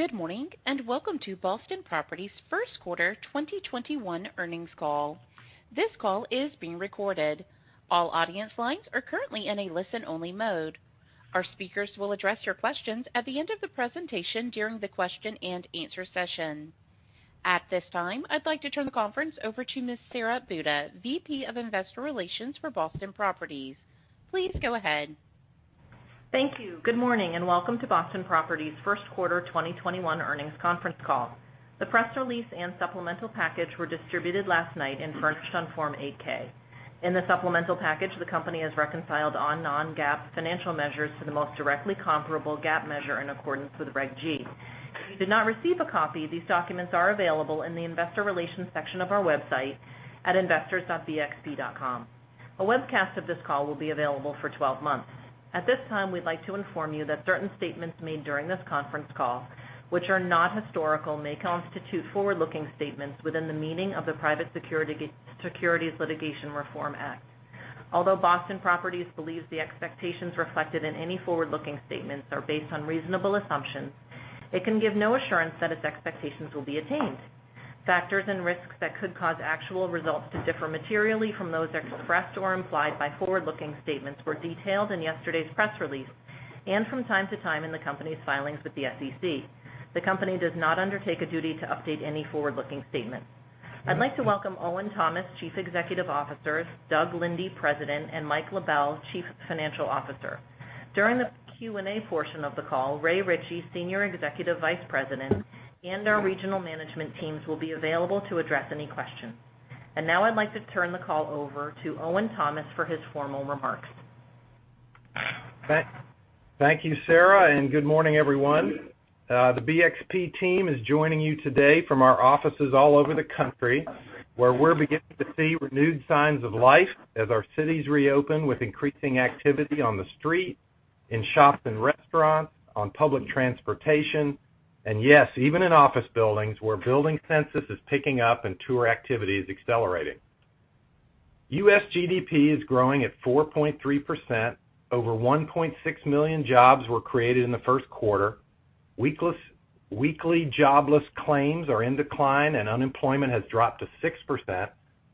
Good morning, and welcome to Boston Properties' First Quarter 2021 Earnings Call. This call is being recorded. All audience lines are currently in a listen-only mode. Our speakers will address your questions at the end of the presentation during the question and answer session. At this time, I'd like to turn the conference over to Ms. Sara Buda, VP of Investor Relations for Boston Properties. Please go ahead. Thank you. Good morning, and welcome to Boston Properties' first quarter 2021 earnings conference call. The press release and supplemental package were distributed last night and furnished on Form 8-K. In the supplemental package, the company has reconciled all non-GAAP financial measures to the most directly comparable GAAP measure in accordance with Reg G. If you did not receive a copy, these documents are available in the investor relations section of our website at investors.bxp.com. A webcast of this call will be available for 12 months. At this time, we'd like to inform you that certain statements made during this conference call, which are not historical, may constitute forward-looking statements within the meaning of the Private Securities Litigation Reform Act. Although Boston Properties believes the expectations reflected in any forward-looking statements are based on reasonable assumptions, it can give no assurance that its expectations will be attained. Factors and risks that could cause actual results to differ materially from those expressed or implied by forward-looking statements were detailed in yesterday's press release and from time to time in the company's filings with the SEC. The company does not undertake a duty to update any forward-looking statement. I'd like to welcome Owen Thomas, Chief Executive Officer, Doug Linde, President, and Mike LaBelle, Chief Financial Officer. During the Q&A portion of the call, Ray Ritchey, Senior Executive Vice President, and our regional management teams will be available to address any questions. Now I'd like to turn the call over to Owen Thomas for his formal remarks. Thank you, Sara, and good morning, everyone. The BXP team is joining you today from our offices all over the country, where we're beginning to see renewed signs of life as our cities reopen with increasing activity on the street, in shops and restaurants, on public transportation, and yes, even in office buildings, where building census is picking up and tour activity is accelerating. U.S. GDP is growing at 4.3%. Over 1.6 million jobs were created in the first quarter. Weekly jobless claims are in decline, and unemployment has dropped to 6%,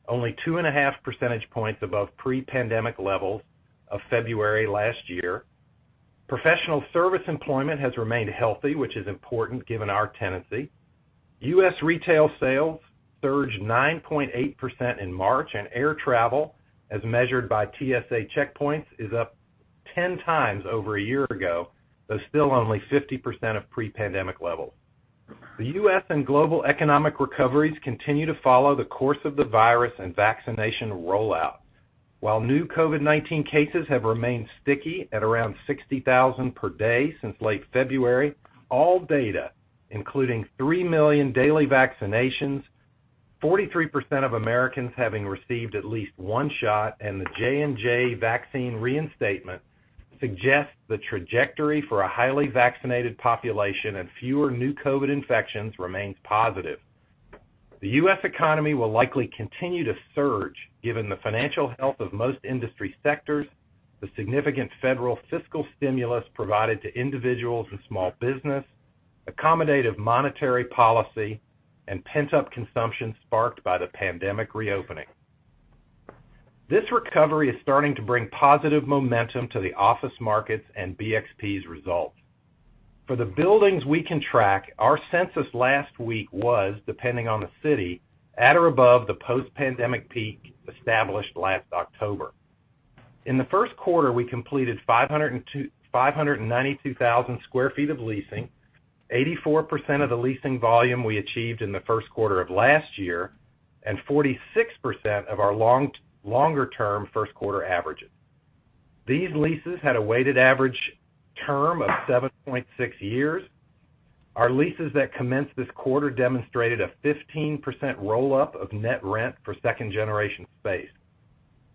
only 2.5 percentage points above pre-pandemic levels of February last year. Professional service employment has remained healthy, which is important given our tenancy. U.S. retail sales surged 9.8% in March, and air travel, as measured by TSA checkpoints, is up 10x over a year ago, though still only 50% of pre-pandemic levels. The U.S. and global economic recoveries continue to follow the course of the virus and vaccination rollout. While new COVID-19 cases have remained sticky at around 60,000 per day since late February, all data, including three million daily vaccinations, 43% of Americans having received at least one shot, and the J&J vaccine reinstatement suggests the trajectory for a highly vaccinated population and fewer new COVID infections remains positive. The U.S. economy will likely continue to surge given the financial health of most industry sectors, the significant federal fiscal stimulus provided to individuals and small business, accommodative monetary policy, and pent-up consumption sparked by the pandemic reopening. This recovery is starting to bring positive momentum to the office markets and BXP's results. For the buildings we can track, our census last week was, depending on the city, at or above the post-pandemic peak established last October. In the first quarter, we completed 592,000 sq ft of leasing, 84% of the leasing volume we achieved in the first quarter of last year, and 46% of our longer-term first-quarter averages. These leases had a weighted average term of 7.6 years. Our leases that commenced this quarter demonstrated a 15% roll-up of net rent for second-generation space.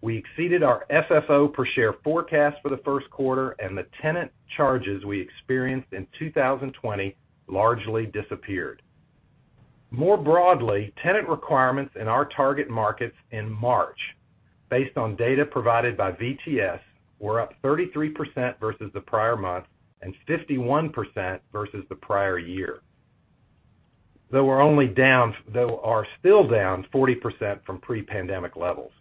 We exceeded our FFO per share forecast for the first quarter, and the tenant charges we experienced in 2020 largely disappeared. More broadly, tenant requirements in our target markets in March, based on data provided by VTS, were up 33% versus the prior month and 51% versus the prior year, though are still down 40% from pre-pandemic levels.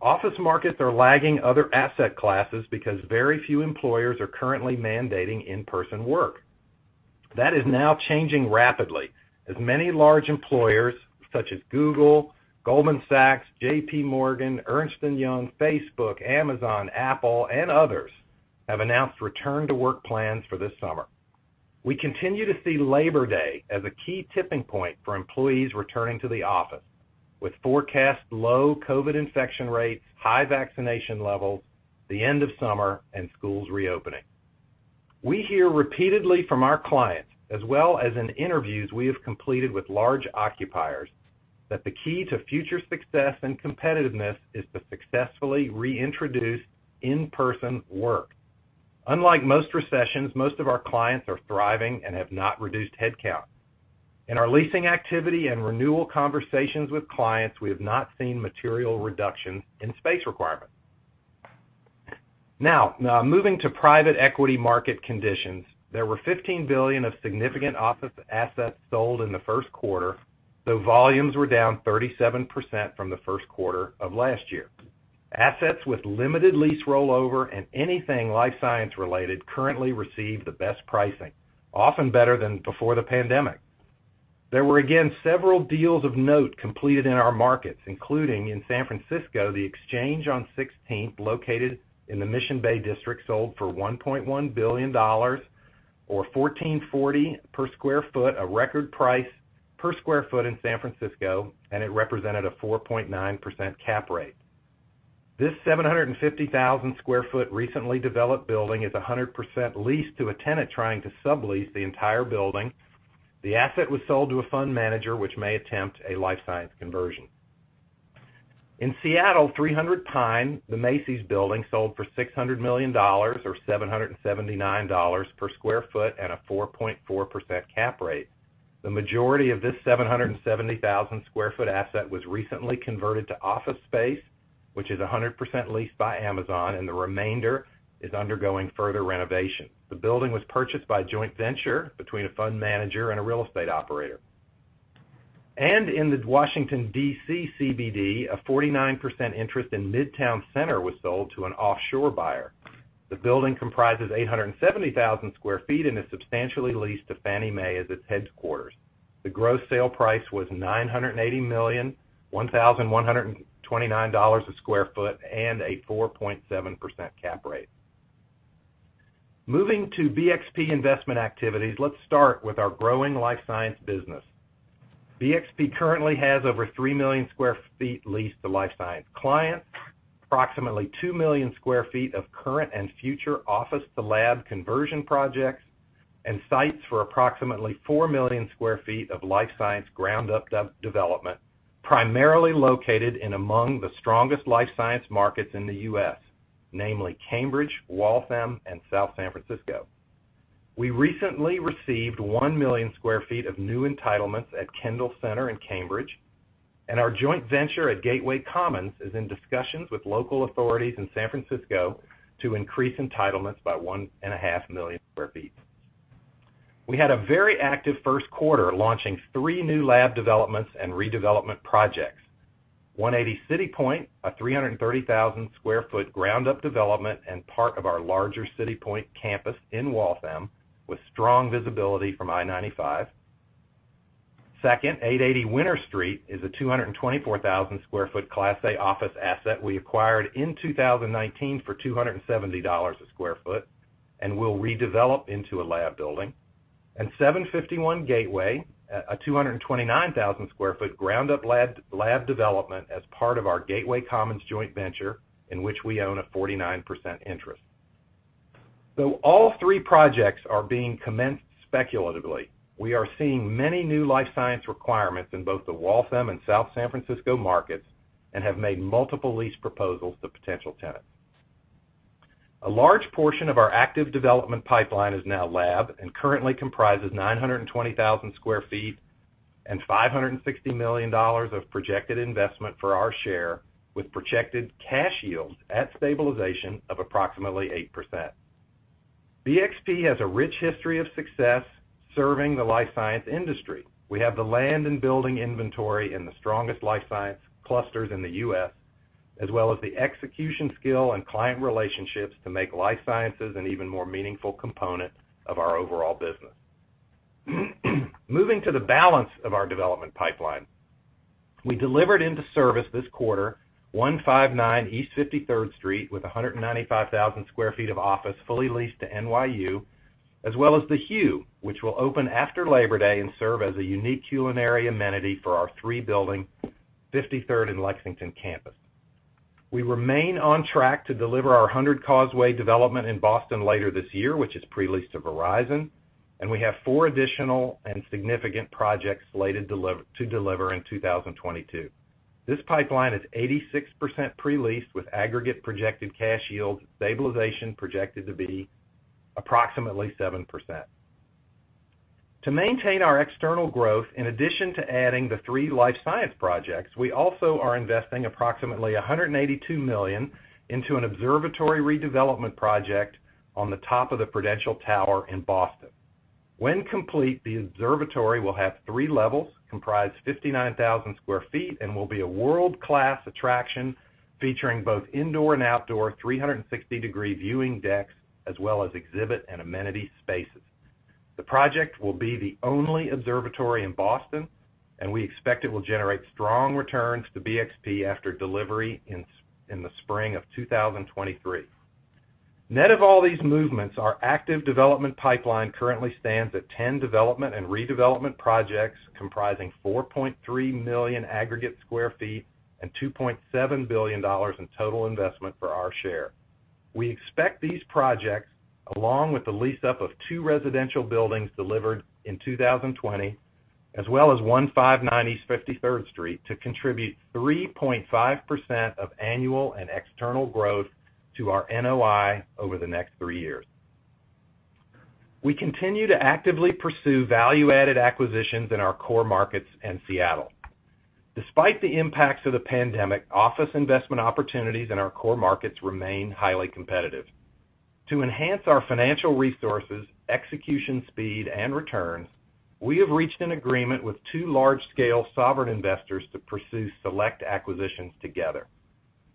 Office markets are lagging other asset classes because very few employers are currently mandating in-person work. That is now changing rapidly as many large employers, such as Google, Goldman Sachs, JPMorgan, Ernst & Young, Facebook, Amazon, Apple, and others, have announced return-to-work plans for this summer. We continue to see Labor Day as a key tipping point for employees returning to the office, with forecast low COVID infection rates, high vaccination levels, the end of summer, and schools reopening. We hear repeatedly from our clients, as well as in interviews we have completed with large occupiers, that the key to future success and competitiveness is to successfully reintroduce in-person work. Unlike most recessions, most of our clients are thriving and have not reduced headcount. In our leasing activity and renewal conversations with clients, we have not seen material reductions in space requirements. Moving to private equity market conditions. There were $15 billion of significant office assets sold in the first quarter, though volumes were down 37% from the first quarter of last year. Assets with limited lease rollover and anything life science related currently receive the best pricing, often better than before the pandemic. There were again several deals of note completed in our markets, including in San Francisco, The Exchange on 16th, located in the Mission Bay District, sold for $1.1 billion or $1,440 per square foot, a record price per square foot in San Francisco, and it represented a 4.9% cap rate. This 750,000 sq ft recently developed building is 100% leased to a tenant trying to sublease the entire building. The asset was sold to a fund manager, which may attempt a life science conversion. In Seattle, 300 Pine, the Macy's building, sold for $600 million or $779 per square foot and a 4.4% cap rate. The majority of this 770,000 sq ft asset was recently converted to office space, which is 100% leased by Amazon, and the remainder is undergoing further renovation. The building was purchased by a joint venture between a fund manager and a real estate operator. In the Washington, D.C. CBD, a 49% interest in Midtown Center was sold to an offshore buyer. The building comprises 870,000 sq ft and is substantially leased to Fannie Mae as its headquarters. The gross sale price was $980 million, $1,129 a square foot and a 4.7% cap rate. Moving to BXP investment activities, let's start with our growing life science business. BXP currently has over 3 million sq ft leased to life science clients, approximately 2 million sq ft of current and future office to lab conversion projects, and sites for approximately 4 million sq ft of life science ground up development, primarily located in among the strongest life science markets in the U.S., namely Cambridge, Waltham, and South San Francisco. We recently received 1 million sq ft of new entitlements at Kendall Center in Cambridge, and our joint venture at Gateway Commons is in discussions with local authorities in San Francisco to increase entitlements by 1.5 million sq ft. We had a very active first quarter, launching three new lab developments and redevelopment projects. 180 CityPoint, a 330,000 sq ft ground-up development and part of our larger CityPoint campus in Waltham, with strong visibility from I-95. Second, 880 Winter Street is a 224,000 sq ft Class A office asset we acquired in 2019 for $270 a square foot and will redevelop into a lab building. 751 Gateway, a 229,000 sq ft ground-up lab development as part of our Gateway Commons joint venture, in which we own a 49% interest. Though all three projects are being commenced speculatively, we are seeing many new life science requirements in both the Waltham and South San Francisco markets and have made multiple lease proposals to potential tenants. A large portion of our active development pipeline is now lab and currently comprises 920,000 sq ft and $560 million of projected investment for our share, with projected cash yields at stabilization of approximately 8%. BXP has a rich history of success serving the life science industry. We have the land and building inventory in the strongest life science clusters in the U.S., as well as the execution skill and client relationships to make life sciences an even more meaningful component of our overall business. Moving to the balance of our development pipeline. We delivered into service this quarter 159 East 53rd Street with 195,000 sq ft of office fully leased to NYU, as well as The Hugh, which will open after Labor Day and serve as a unique culinary amenity for our three building 53rd and Lexington campus. We remain on track to deliver our 100 Causeway development in Boston later this year, which is pre-leased to Verizon, and we have four additional and significant projects slated to deliver in 2022. This pipeline is 86% pre-leased with aggregate projected cash yield stabilization projected to be approximately 7%. To maintain our external growth, in addition to adding the three life science projects, we also are investing approximately $182 million into an observatory redevelopment project on the top of the Prudential Tower in Boston. When complete, the observatory will have three levels, comprise 59,000 sq ft, and will be a world-class attraction featuring both indoor and outdoor 360-degree viewing decks, as well as exhibit and amenity spaces. The project will be the only observatory in Boston. We expect it will generate strong returns to BXP after delivery in the spring of 2023. Net of all these movements, our active development pipeline currently stands at 10 development and redevelopment projects comprising 4.3 million aggregate sq ft and $2.7 billion in total investment for our share. We expect these projects, along with the lease up of two residential buildings delivered in 2020, as well as 159 East 53rd Street, to contribute 3.5% of annual and external growth to our NOI over the next three years. We continue to actively pursue value-added acquisitions in our core markets and Seattle. Despite the impacts of the pandemic, office investment opportunities in our core markets remain highly competitive. To enhance our financial resources, execution speed, and returns, we have reached an agreement with two large-scale sovereign investors to pursue select acquisitions together.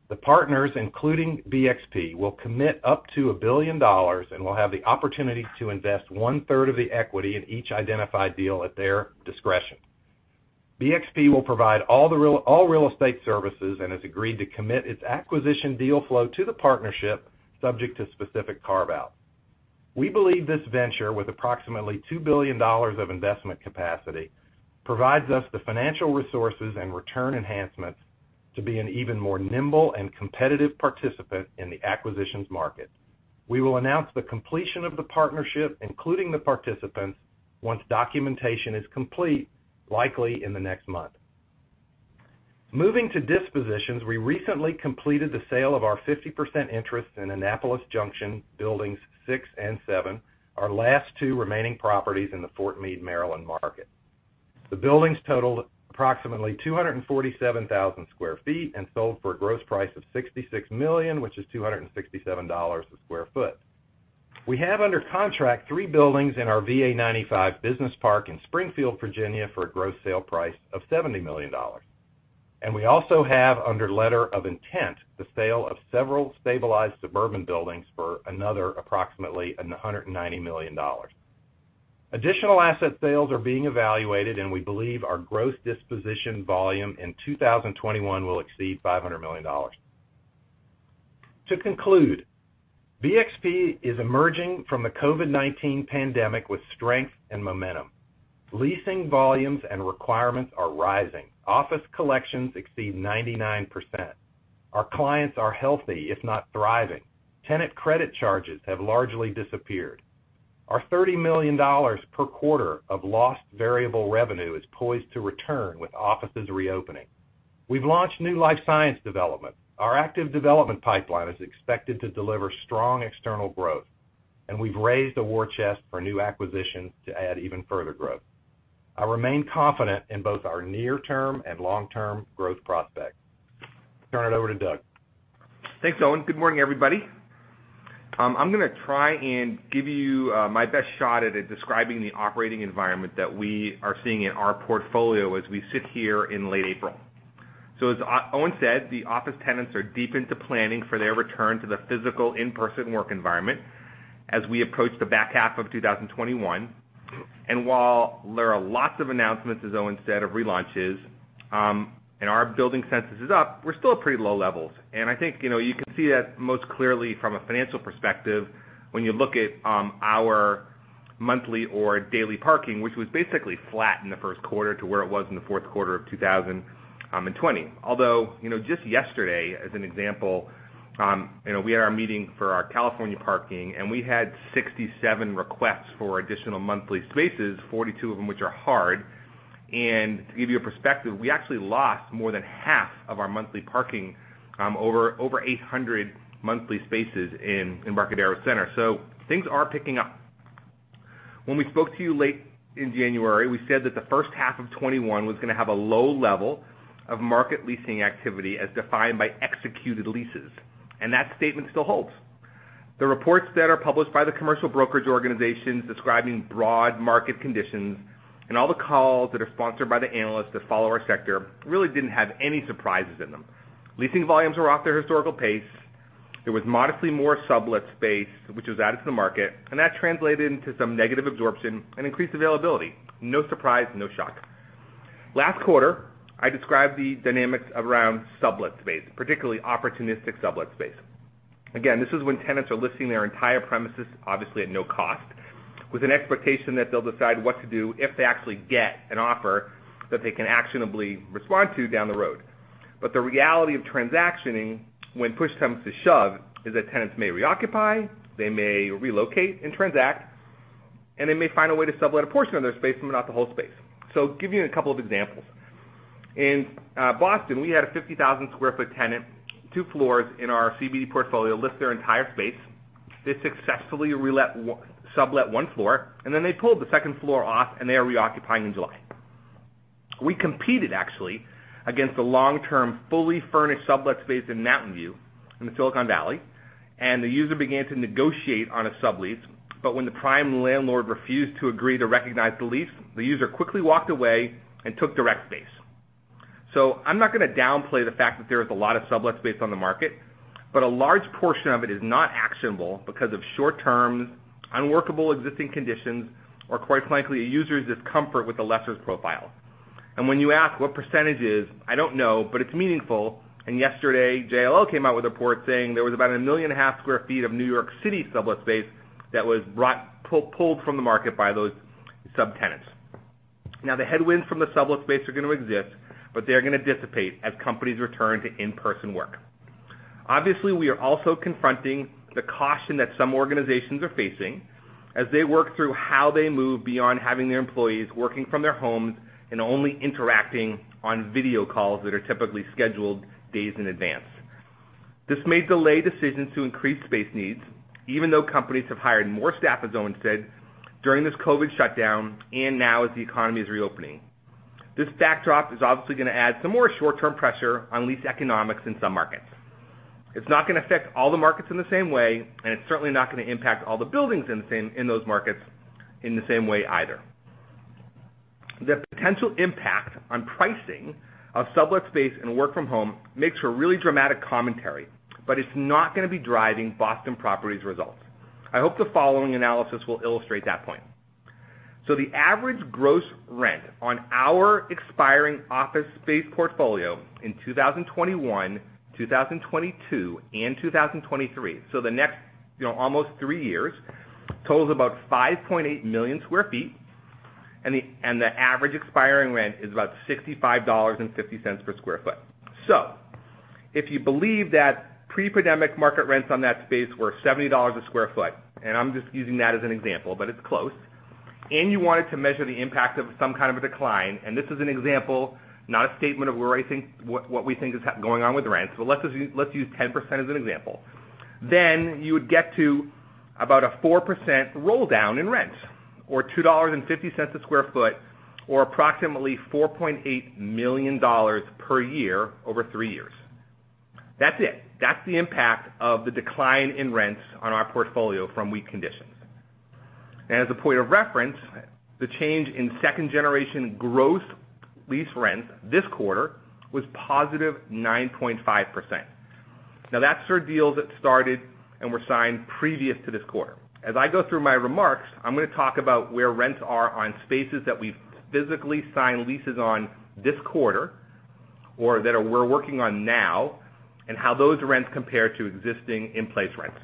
The partners, including BXP, will commit up to $1 billion and will have the opportunity to invest 1/3 of the equity in each identified deal at their discretion. BXP will provide all real estate services and has agreed to commit its acquisition deal flow to the partnership subject to specific carve-out. We believe this venture, with approximately $2 billion of investment capacity, provides us the financial resources and return enhancements to be an even more nimble and competitive participant in the acquisitions market. We will announce the completion of the partnership, including the participants, once documentation is complete, likely in the next month. Moving to dispositions, we recently completed the sale of our 50% interest in Annapolis Junction Buildings six and seven, our last two remaining properties in the Fort Meade, Maryland market. The buildings totaled approximately 247,000 sq ft and sold for a gross price of $66 million, which is $267 a square foot. We have under contract three buildings in our VA 95 Business Park in Springfield, Virginia, for a gross sale price of $70 million. We also have under letter of intent the sale of several stabilized suburban buildings for another approximately $190 million. Additional asset sales are being evaluated, and we believe our gross disposition volume in 2021 will exceed $500 million. To conclude, BXP is emerging from the COVID-19 pandemic with strength and momentum. Leasing volumes and requirements are rising. Office collections exceed 99%. Our clients are healthy, if not thriving. Tenant credit charges have largely disappeared. Our $30 million per quarter of lost variable revenue is poised to return with offices reopening. We've launched new life science development. Our active development pipeline is expected to deliver strong external growth. We've raised the war chest for new acquisitions to add even further growth. I remain confident in both our near-term and long-term growth prospects. Turn it over to Doug. Thanks, Owen. Good morning, everybody. I'm going to try and give you my best shot at describing the operating environment that we are seeing in our portfolio as we sit here in late April. As Owen said, the office tenants are deep into planning for their return to the physical in-person work environment as we approach the back half of 2021. While there are lots of announcements, as Owen said, of relaunches, and our building census is up, we're still at pretty low levels. I think you can see that most clearly from a financial perspective when you look at our monthly or daily parking, which was basically flat in the first quarter to where it was in the fourth quarter of 2020. Just yesterday, as an example, we had our meeting for our California parking, we had 67 requests for additional monthly spaces, 42 of them which are hard. To give you a perspective, we actually lost more than half of our monthly parking, over 800 monthly spaces in Embarcadero Center. Things are picking up. When we spoke to you late in January, we said that the first half of 2021 was going to have a low level of market leasing activity as defined by executed leases. That statement still holds. The reports that are published by the commercial brokerage organizations describing broad market conditions and all the calls that are sponsored by the analysts that follow our sector really didn't have any surprises in them. Leasing volumes were off their historical pace. There was modestly more sublet space which was added to the market, and that translated into some negative absorption and increased availability. No surprise, no shock. Last quarter, I described the dynamics around sublet space, particularly opportunistic sublet space. This is when tenants are listing their entire premises, obviously at no cost, with an expectation that they'll decide what to do if they actually get an offer that they can actionably respond to down the road. The reality of transactioning when push comes to shove is that tenants may reoccupy, they may relocate and transact, and they may find a way to sublet a portion of their space but not the whole space. Give you a couple of examples. In Boston, we had a 50,000 sq ft tenant, two floors in our CBD portfolio list their entire space. They successfully sublet one floor, and then they pulled the second floor off and they are reoccupying in July. We competed actually against a long-term, fully furnished sublet space in Mountain View in the Silicon Valley, and the user began to negotiate on a sublease. When the prime landlord refused to agree to recognize the lease, the user quickly walked away and took direct space. I'm not going to downplay the fact that there is a lot of sublet space on the market, but a large portion of it is not actionable because of short-term, unworkable existing conditions, or quite frankly, a user's discomfort with the lessor's profile. When you ask what percentage it is, I don't know, but it's meaningful. Yesterday, JLL came out with a report saying there was about 1.5 million sq ft of New York City sublet space that was pulled from the market by those subtenants. The headwinds from the sublet space are going to exist, but they're going to dissipate as companies return to in-person work. Obviously, we are also confronting the caution that some organizations are facing as they work through how they move beyond having their employees working from their homes and only interacting on video calls that are typically scheduled days in advance. This may delay decisions to increase space needs, even though companies have hired more staff, as Owen said, during this COVID shutdown and now as the economy is reopening. This backdrop is obviously going to add some more short-term pressure on lease economics in some markets. It's not going to affect all the markets in the same way, and it's certainly not going to impact all the buildings in those markets in the same way either. The potential impact on pricing of sublet space and work-from-home makes for really dramatic commentary, but it's not going to be driving Boston Properties' results. I hope the following analysis will illustrate that point. The average gross rent on our expiring office space portfolio in 2021, 2022, and 2023, so the next almost three years, totals about 5.8 million sq ft, and the average expiring rent is about $65.50 per square foot. If you believe that pre-pandemic market rents on that space were $70 a square foot, and I'm just using that as an example, but it's close, and you wanted to measure the impact of some kind of a decline, and this is an example, not a statement of what we think is going on with rents, but let's use 10% as an example, you would get to about a 4% rolldown in rents, or $2.50 a square foot, or approximately $4.8 million per year over three years. That's it. That's the impact of the decline in rents on our portfolio from weak conditions. As a point of reference, the change in second-generation gross lease rents this quarter was positive 9.5%. That's for deals that started and were signed previous to this quarter. As I go through my remarks, I'm going to talk about where rents are on spaces that we've physically signed leases on this quarter or that we're working on now and how those rents compare to existing in-place rents.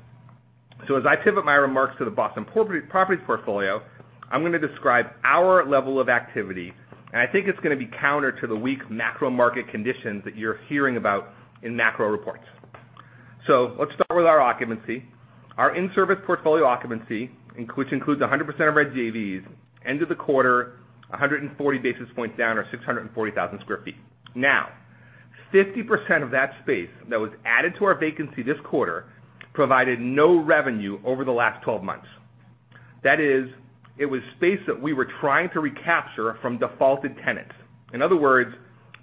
As I pivot my remarks to the Boston Properties' portfolio, I'm going to describe our level of activity, and I think it's going to be counter to the weak macro market conditions that you're hearing about in macro reports. Let's start with our occupancy. Our in-service portfolio occupancy, which includes 100% of our JVs, end of the quarter, 140 basis points down or 640,000 sq ft. Now, 50% of that space that was added to our vacancy this quarter provided no revenue over the last 12 months. That is, it was space that we were trying to recapture from defaulted tenants. In other words,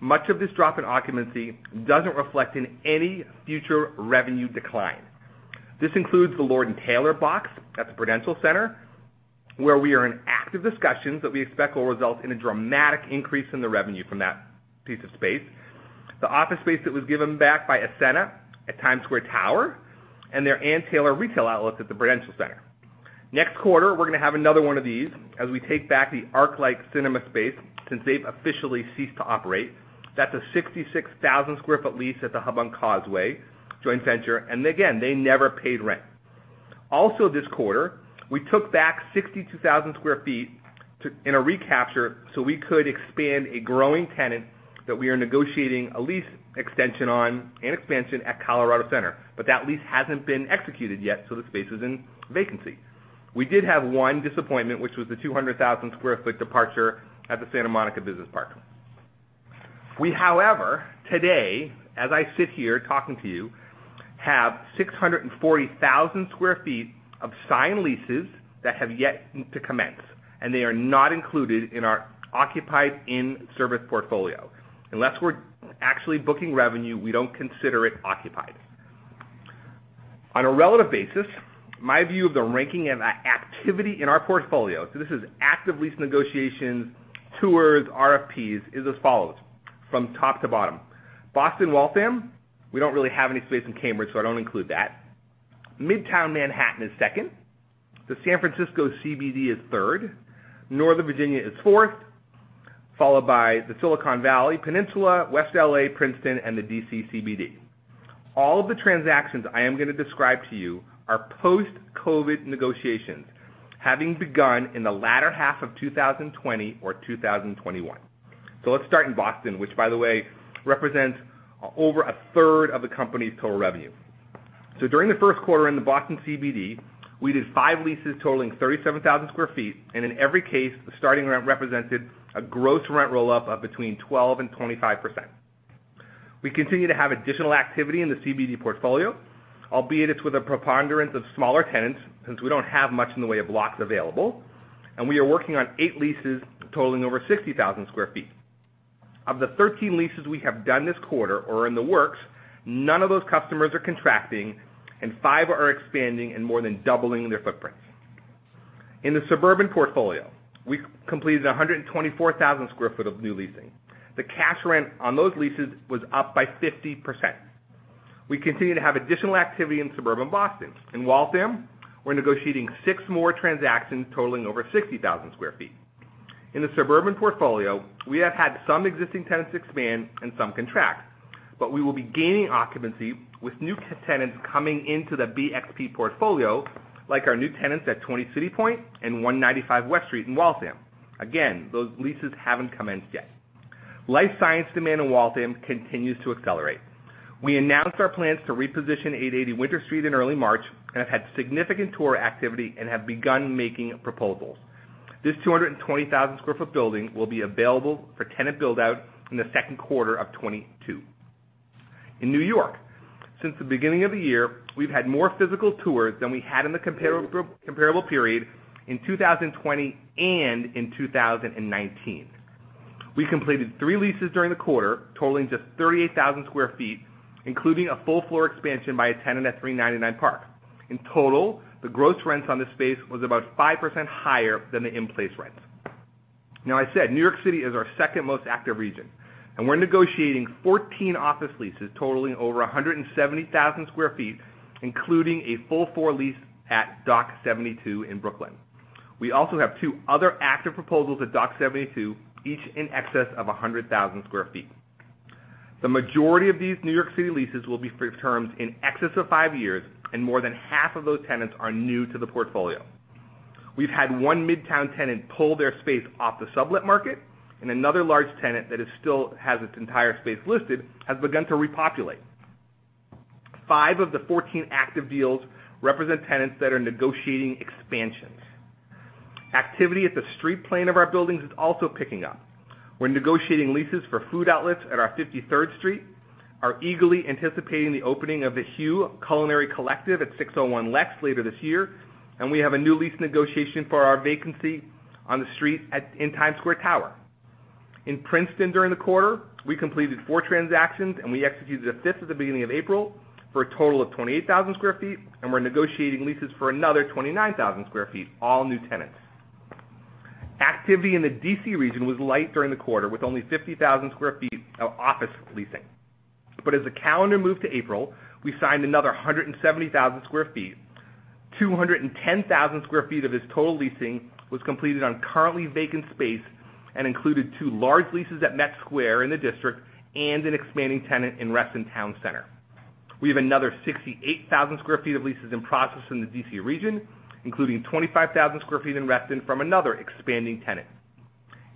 much of this drop in occupancy doesn't reflect in any future revenue decline. This includes the Lord & Taylor box at the Prudential Center, where we are in active discussions that we expect will result in a dramatic increase in the revenue from that piece of space, the office space that was given back by Ascena at Times Square Tower, and their Ann Taylor retail outlet at the Prudential Center. Next quarter, we're going to have another one of these as we take back the ArcLight Cinemas space since they've officially ceased to operate. That's a 66,000 sq ft lease at The Hub on Causeway Joint Venture. Again, they never paid rent. Also, this quarter, we took back 62,000 sq ft in a recapture so we could expand a growing tenant that we are negotiating a lease extension on and expansion at Colorado Center. That lease hasn't been executed yet, so the space is in vacancy. We did have one disappointment, which was the 200,000 sq ft departure at the Santa Monica Business Park. We, however, today, as I sit here talking to you, have 640,000 sq ft of signed leases that have yet to commence, and they are not included in our occupied in-service portfolio. Unless we're actually booking revenue, we don't consider it occupied. On a relative basis, my view of the ranking and activity in our portfolio, so this is active lease negotiations, tours, RFPs, is as follows. From top to bottom. Boston Waltham. We don't really have any space in Cambridge, so I don't include that. Midtown Manhattan is second. The San Francisco CBD is third. Northern Virginia is fourth, followed by the Silicon Valley, Peninsula, West L.A., Princeton, and the D.C. CBD. All of the transactions I am going to describe to you are post-COVID negotiations having begun in the latter half of 2020 or 2021. Let's start in Boston, which by the way, represents over a third of the company's total revenue. During the first quarter in the Boston CBD, we did five leases totaling 37,000 sq ft, and in every case, the starting rent represented a gross rent roll-up of between 12% and 25%. We continue to have additional activity in the CBD portfolio, albeit it's with a preponderance of smaller tenants since we don't have much in the way of blocks available, and we are working on eight leases totaling over 60,000 sq ft. Of the 13 leases we have done this quarter or are in the works, none of those customers are contracting and five are expanding and more than doubling their footprints. In the suburban portfolio, we completed 124,000 sq ft of new leasing. The cash rent on those leases was up by 50%. We continue to have additional activity in suburban Boston. In Waltham, we're negotiating six more transactions totaling over 60,000 sq ft. In the suburban portfolio, we have had some existing tenants expand and some contract, but we will be gaining occupancy with new tenants coming into the BXP portfolio, like our new tenants at 20 CityPoint and 195 West Street in Waltham. Again, those leases haven't commenced yet. Life science demand in Waltham continues to accelerate. We announced our plans to reposition 880 Winter Street in early March and have had significant tour activity and have begun making proposals. This 220,000 sq ft building will be available for tenant build-out in the second quarter of 2022. In New York, since the beginning of the year, we've had more physical tours than we had in the comparable period in 2020 and in 2019. We completed three leases during the quarter, totaling just 38,000 sq ft, including a full floor expansion by a tenant at 399 Park. In total, the gross rents on this space was about 5% higher than the in-place rents. I said New York City is our second most active region, and we're negotiating 14 office leases totaling over 170,000 sq ft, including a full floor lease at Dock72 in Brooklyn. We also have two other active proposals at Dock72, each in excess of 100,000 sq ft. The majority of these New York City leases will be for terms in excess of five years, and more than half of those tenants are new to the portfolio. We've had one Midtown tenant pull their space off the sublet market and another large tenant that still has its entire space listed, has begun to repopulate. Five of the 14 active deals represent tenants that are negotiating expansions. Activity at the street plane of our buildings is also picking up. We're negotiating leases for food outlets at our 53rd Street, are eagerly anticipating the opening of The Hugh Culinary Collective at 601 Lex later this year, and we have a new lease negotiation for our vacancy on the street in Times Square Tower. In Princeton during the quarter, we completed four transactions, and we executed a fifth at the beginning of April for a total of 28,000 sq ft, and we're negotiating leases for another 29,000 sq ft, all new tenants. Activity in the D.C. region was light during the quarter with only 50,000 sq ft of office leasing. As the calendar moved to April, we signed another 170,000 sq ft. 210,000 sq ft of this total leasing was completed on currently vacant space and included two large leases at Met Square in the District and an expanding tenant in Reston Town Center. We have another 68,000 sq ft of leases in process in the D.C. region, including 25,000 sq ft in Reston from another expanding tenant.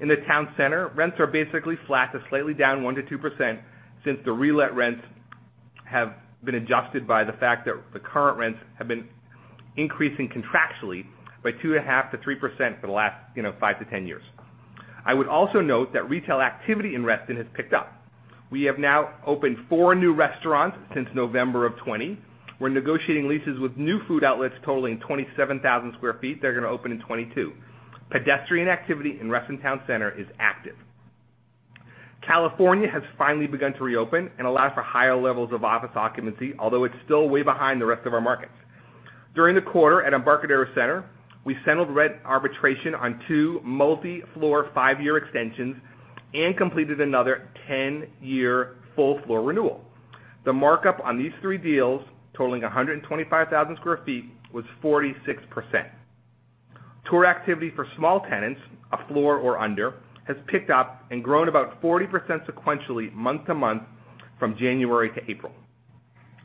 In the town center, rents are basically flat to slightly down 1%-2% since the relet rents have been adjusted by the fact that the current rents have been increasing contractually by 2.5%-3% for the last 5-10 years. I would also note that retail activity in Reston has picked up. We have now opened four new restaurants since November of 2020. We're negotiating leases with new food outlets totaling 27,000 sq ft. They're going to open in 2022. Pedestrian activity in Reston Town Center is active. California has finally begun to reopen and allow for higher levels of office occupancy, although it's still way behind the rest of our markets. During the quarter at Embarcadero Center, we settled rent arbitration on two multi-floor, five-year extensions and completed another 10-year full floor renewal. The markup on these three deals totaling 125,000 sq ft, was 46%. Tour activity for small tenants, a floor or under, has picked up and grown about 40% sequentially month-to-month from January to April.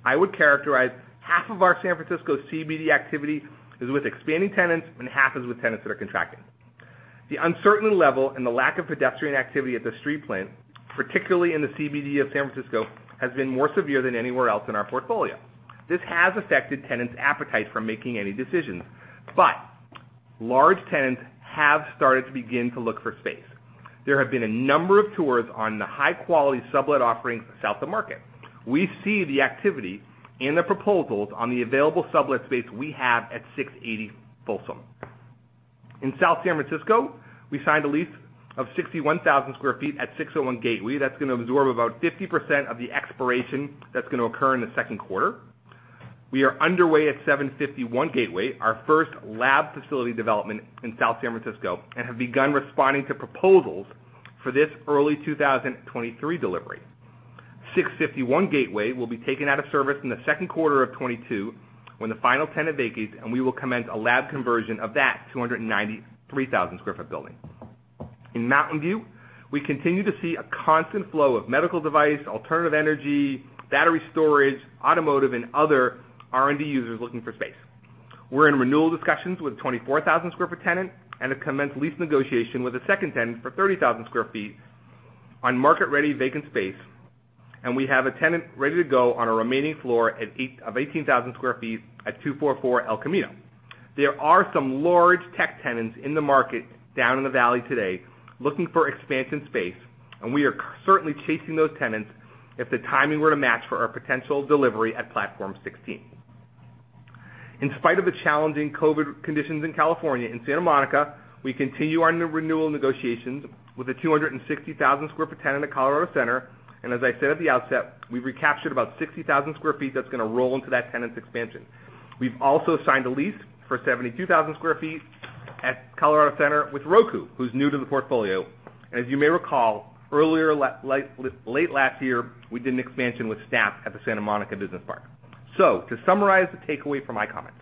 I would characterize 1/2 of our San Francisco CBD activity is with expanding tenants and 1/2 is with tenants that are contracting. The uncertain level and the lack of pedestrian activity at the street plane, particularly in the CBD of San Francisco, has been more severe than anywhere else in our portfolio. This has affected tenants' appetite for making any decisions. Large tenants have started to look for space. There have been a number of tours on the high-quality sublet offerings South of Market. We see the activity and the proposals on the available sublet space we have at 680 Folsom. In South San Francisco, we signed a lease of 61,000 sq ft at 601 Gateway. That's going to absorb about 50% of the expiration that's going to occur in the second quarter. We are underway at 751 Gateway, our first lab facility development in South San Francisco, have begun responding to proposals for this early 2023 delivery. 651 Gateway will be taken out of service in the second quarter of 2022 when the final tenant vacates. We will commence a lab conversion of that 293,000 sq ft building. In Mountain View, we continue to see a constant flow of medical device, alternative energy, battery storage, automotive, and other R&D users looking for space. We're in renewal discussions with a 24,000 sq ft tenant and have commenced lease negotiation with a second tenant for 30,000 sq ft on market ready vacant space, and we have a tenant ready to go on a remaining floor of 18,000 sq ft at 244 El Camino. There are some large tech tenants in the market down in the valley today looking for expansion space, and we are certainly chasing those tenants if the timing were to match for our potential delivery at Platform 16. In spite of the challenging COVID conditions in California, in Santa Monica, we continue our new renewal negotiations with a 260,000 sq ft tenant at Colorado Center. As I said at the outset, we recaptured about 60,000 sq ft that's going to roll into that tenant's expansion. We've also signed a lease for 72,000 sq ft at Colorado Center with Roku, who's new to the portfolio. As you may recall, earlier late last year, we did an expansion with Snap at the Santa Monica Business Park. To summarize the takeaway from my comments,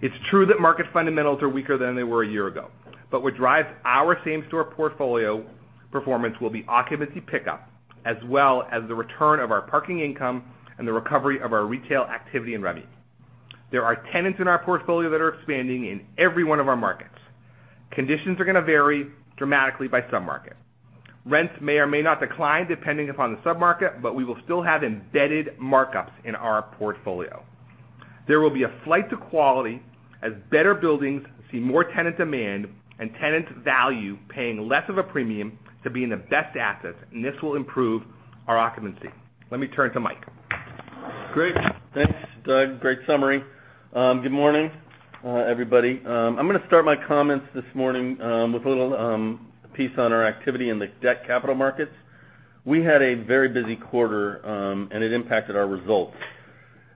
it's true that market fundamentals are weaker than they were a year ago. What drives our same store portfolio performance will be occupancy pickup, as well as the return of our parking income and the recovery of our retail activity and revenue. There are tenants in our portfolio that are expanding in every one of our markets. Conditions are going to vary dramatically by sub-market. Rents may or may not decline depending upon the sub-market, but we will still have embedded markups in our portfolio. There will be a flight to quality as better buildings see more tenant demand and tenants value paying less of a premium to be in the best assets, and this will improve our occupancy. Let me turn to Mike. Great. Thanks, Doug. Great summary. Good morning, everybody. I'm going to start my comments this morning with a little piece on our activity in the debt capital markets. We had a very busy quarter, and it impacted our results.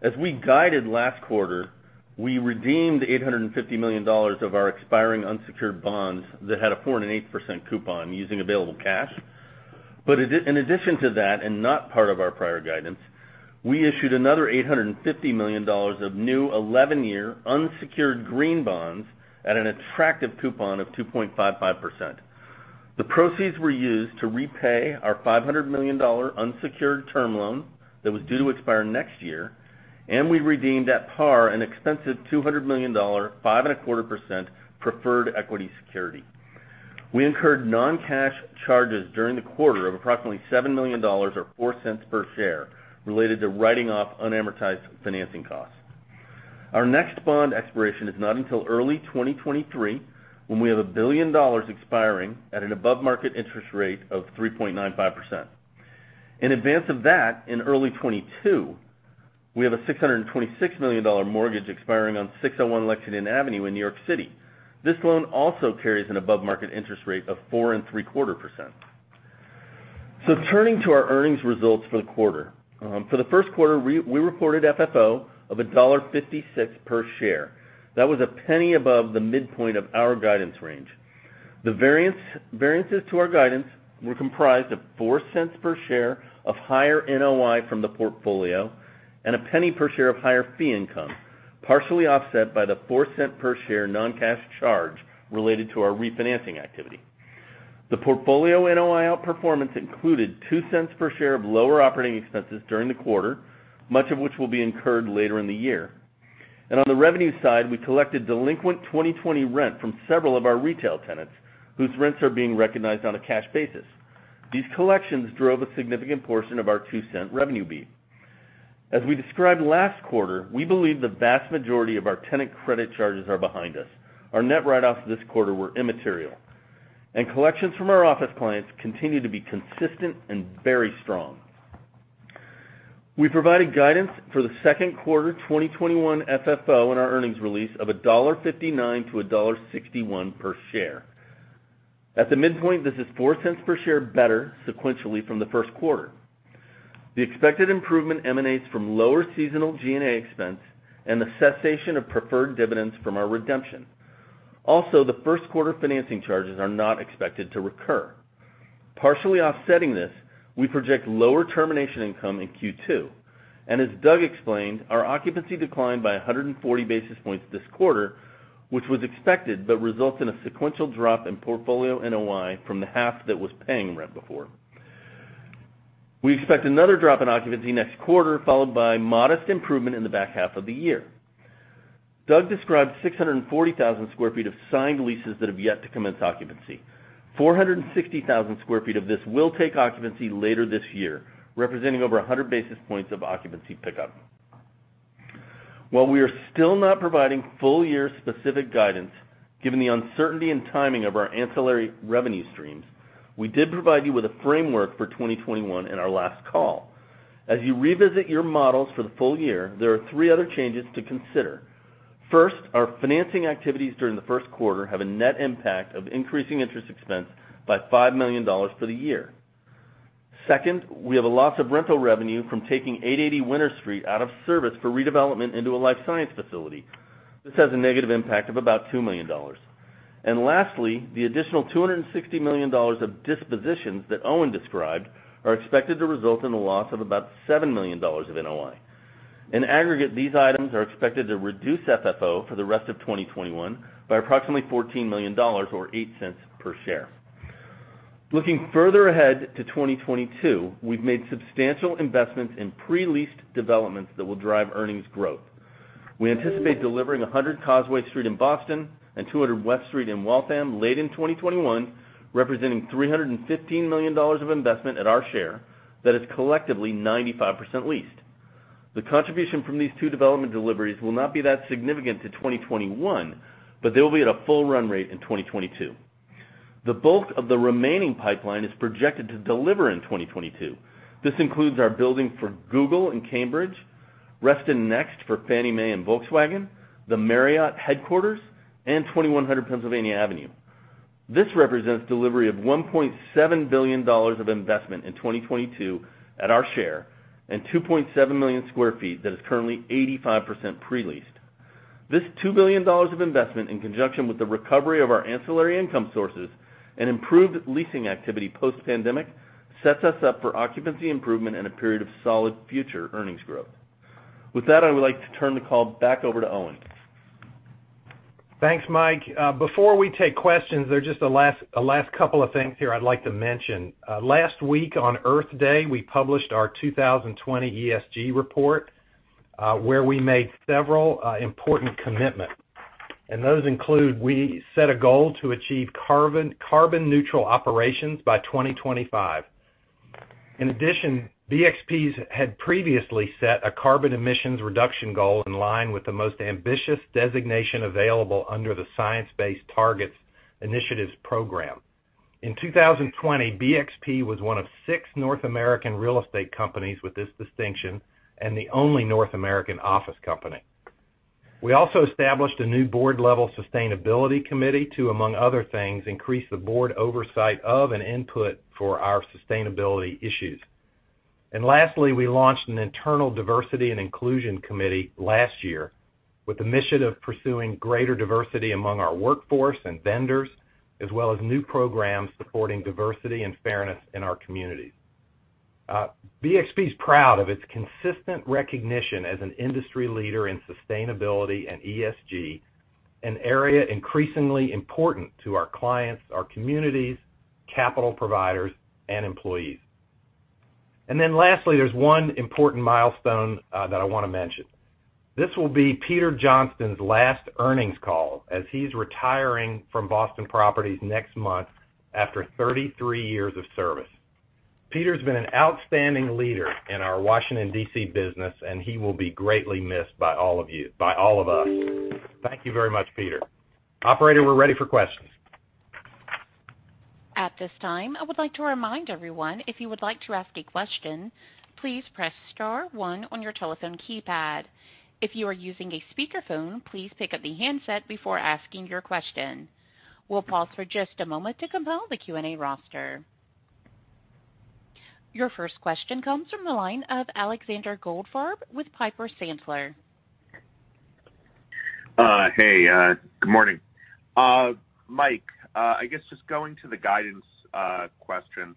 As we guided last quarter, we redeemed $850 million of our expiring unsecured bonds that had a 4.8% coupon using available cash. In addition to that, and not part of our prior guidance, we issued another $850 million of new 11-year unsecured green bonds at an attractive coupon of 2.55%. The proceeds were used to repay our $500 million unsecured term loan that was due to expire next year, and we redeemed at par an expensive $200 million, 5.25% preferred equity security. We incurred non-cash charges during the quarter of approximately $7 million, or $0.04 per share, related to writing off unamortized financing costs. Our next bond expiration is not until early 2023, when we have $1 billion expiring at an above-market interest rate of 3.95%. In advance of that, in early 2022, we have a $626 million mortgage expiring on 601 Lexington Avenue in New York City. This loan also carries an above-market interest rate of 4.75%. Turning to our earnings results for the quarter. For the first quarter, we reported FFO of $1.56 per share. That was $0.01 above the midpoint of our guidance range. The variances to our guidance were comprised of $0.04 per share of higher NOI from the portfolio and $0.01 per share of higher fee income, partially offset by the $0.04 per share non-cash charge related to our refinancing activity. The portfolio NOI outperformance included $0.02 per share of lower operating expenses during the quarter, much of which will be incurred later in the year. On the revenue side, we collected delinquent 2020 rent from several of our retail tenants, whose rents are being recognized on a cash basis. These collections drove a significant portion of our $0.02 revenue beat. As we described last quarter, we believe the vast majority of our tenant credit charges are behind us. Our net write-offs this quarter were immaterial, and collections from our office clients continue to be consistent and very strong. We provided guidance for the second quarter 2021 FFO in our earnings release of $1.59-$1.61 per share. At the midpoint, this is $0.04 per share better sequentially from the first quarter. The expected improvement emanates from lower seasonal G&A expense and the cessation of preferred dividends from our redemption. The first quarter financing charges are not expected to recur. Partially offsetting this, we project lower termination income in Q2. As Doug explained, our occupancy declined by 140 basis points this quarter, which was expected but results in a sequential drop in portfolio NOI from the half that was paying rent before. We expect another drop in occupancy next quarter, followed by modest improvement in the back half of the year. Doug described 640,000 sq ft of signed leases that have yet to commence occupancy. 460,000 sq ft of this will take occupancy later this year, representing over 100 basis points of occupancy pickup. While we are still not providing full year specific guidance, given the uncertainty and timing of our ancillary revenue streams, we did provide you with a framework for 2021 in our last call. As you revisit your models for the full year, there are three other changes to consider. First, our financing activities during the first quarter have a net impact of increasing interest expense by $5 million for the year. Second, we have a loss of rental revenue from taking 880 Winter Street out of service for redevelopment into a life science facility. This has a negative impact of about $2 million. Lastly, the additional $260 million of dispositions that Owen described are expected to result in a loss of about $7 million of NOI. In aggregate, these items are expected to reduce FFO for the rest of 2021 by approximately $14 million, or $0.08 per share. Looking further ahead to 2022, we've made substantial investments in pre-leased developments that will drive earnings growth. We anticipate delivering 100 Causeway Street in Boston and 200 West Street in Waltham late in 2021, representing $315 million of investment at our share that is collectively 95% leased. The contribution from these two development deliveries will not be that significant to 2021, but they will be at a full run rate in 2022. The bulk of the remaining pipeline is projected to deliver in 2022. This includes our building for Google in Cambridge, Reston Next for Fannie Mae and Volkswagen, the Marriott headquarters, and 2100 Pennsylvania Avenue. This represents delivery of $1.7 billion of investment in 2022 at our share, and 2.7 million sq ft that is currently 85% pre-leased. This $2 billion of investment in conjunction with the recovery of our ancillary income sources and improved leasing activity post-pandemic sets us up for occupancy improvement and a period of solid future earnings growth. With that, I would like to turn the call back over to Owen. Thanks, Mike. Before we take questions, there are just a last couple of things here I'd like to mention. Last week on Earth Day, we published our 2020 ESG report, where we made several important commitments. Those include we set a goal to achieve carbon neutral operations by 2025. In addition, BXP had previously set a carbon emissions reduction goal in line with the most ambitious designation available under the Science Based Targets initiative program. In 2020, BXP was one of six North American real estate companies with this distinction and the only North American office company. We also established a new board level sustainability committee to, among other things, increase the board oversight of and input for our sustainability issues. Lastly, we launched an internal diversity and inclusion committee last year with a mission of pursuing greater diversity among our workforce and vendors, as well as new programs supporting diversity and fairness in our communities. BXP's proud of its consistent recognition as an industry leader in sustainability and ESG, an area increasingly important to our clients, our communities, capital providers, and employees. Lastly, there's one important milestone that I want to mention. This will be Peter Johnston's last earnings call as he's retiring from Boston Properties next month after 33 years of service. Peter's been an outstanding leader in our Washington, D.C., business, and he will be greatly missed by all of us. Thank you very much, Peter. Operator, we're ready for questions. At this time, I would like to remind everyone, if you would like to ask a question, please press star one on your telephone keypad. If you are using a speakerphone, please pick up the handset before asking your question. We'll pause for just a moment to compile the Q&A roster. Your first question comes from the line of Alexander Goldfarb with Piper Sandler. Hey, good morning. Mike, I guess just going to the guidance question.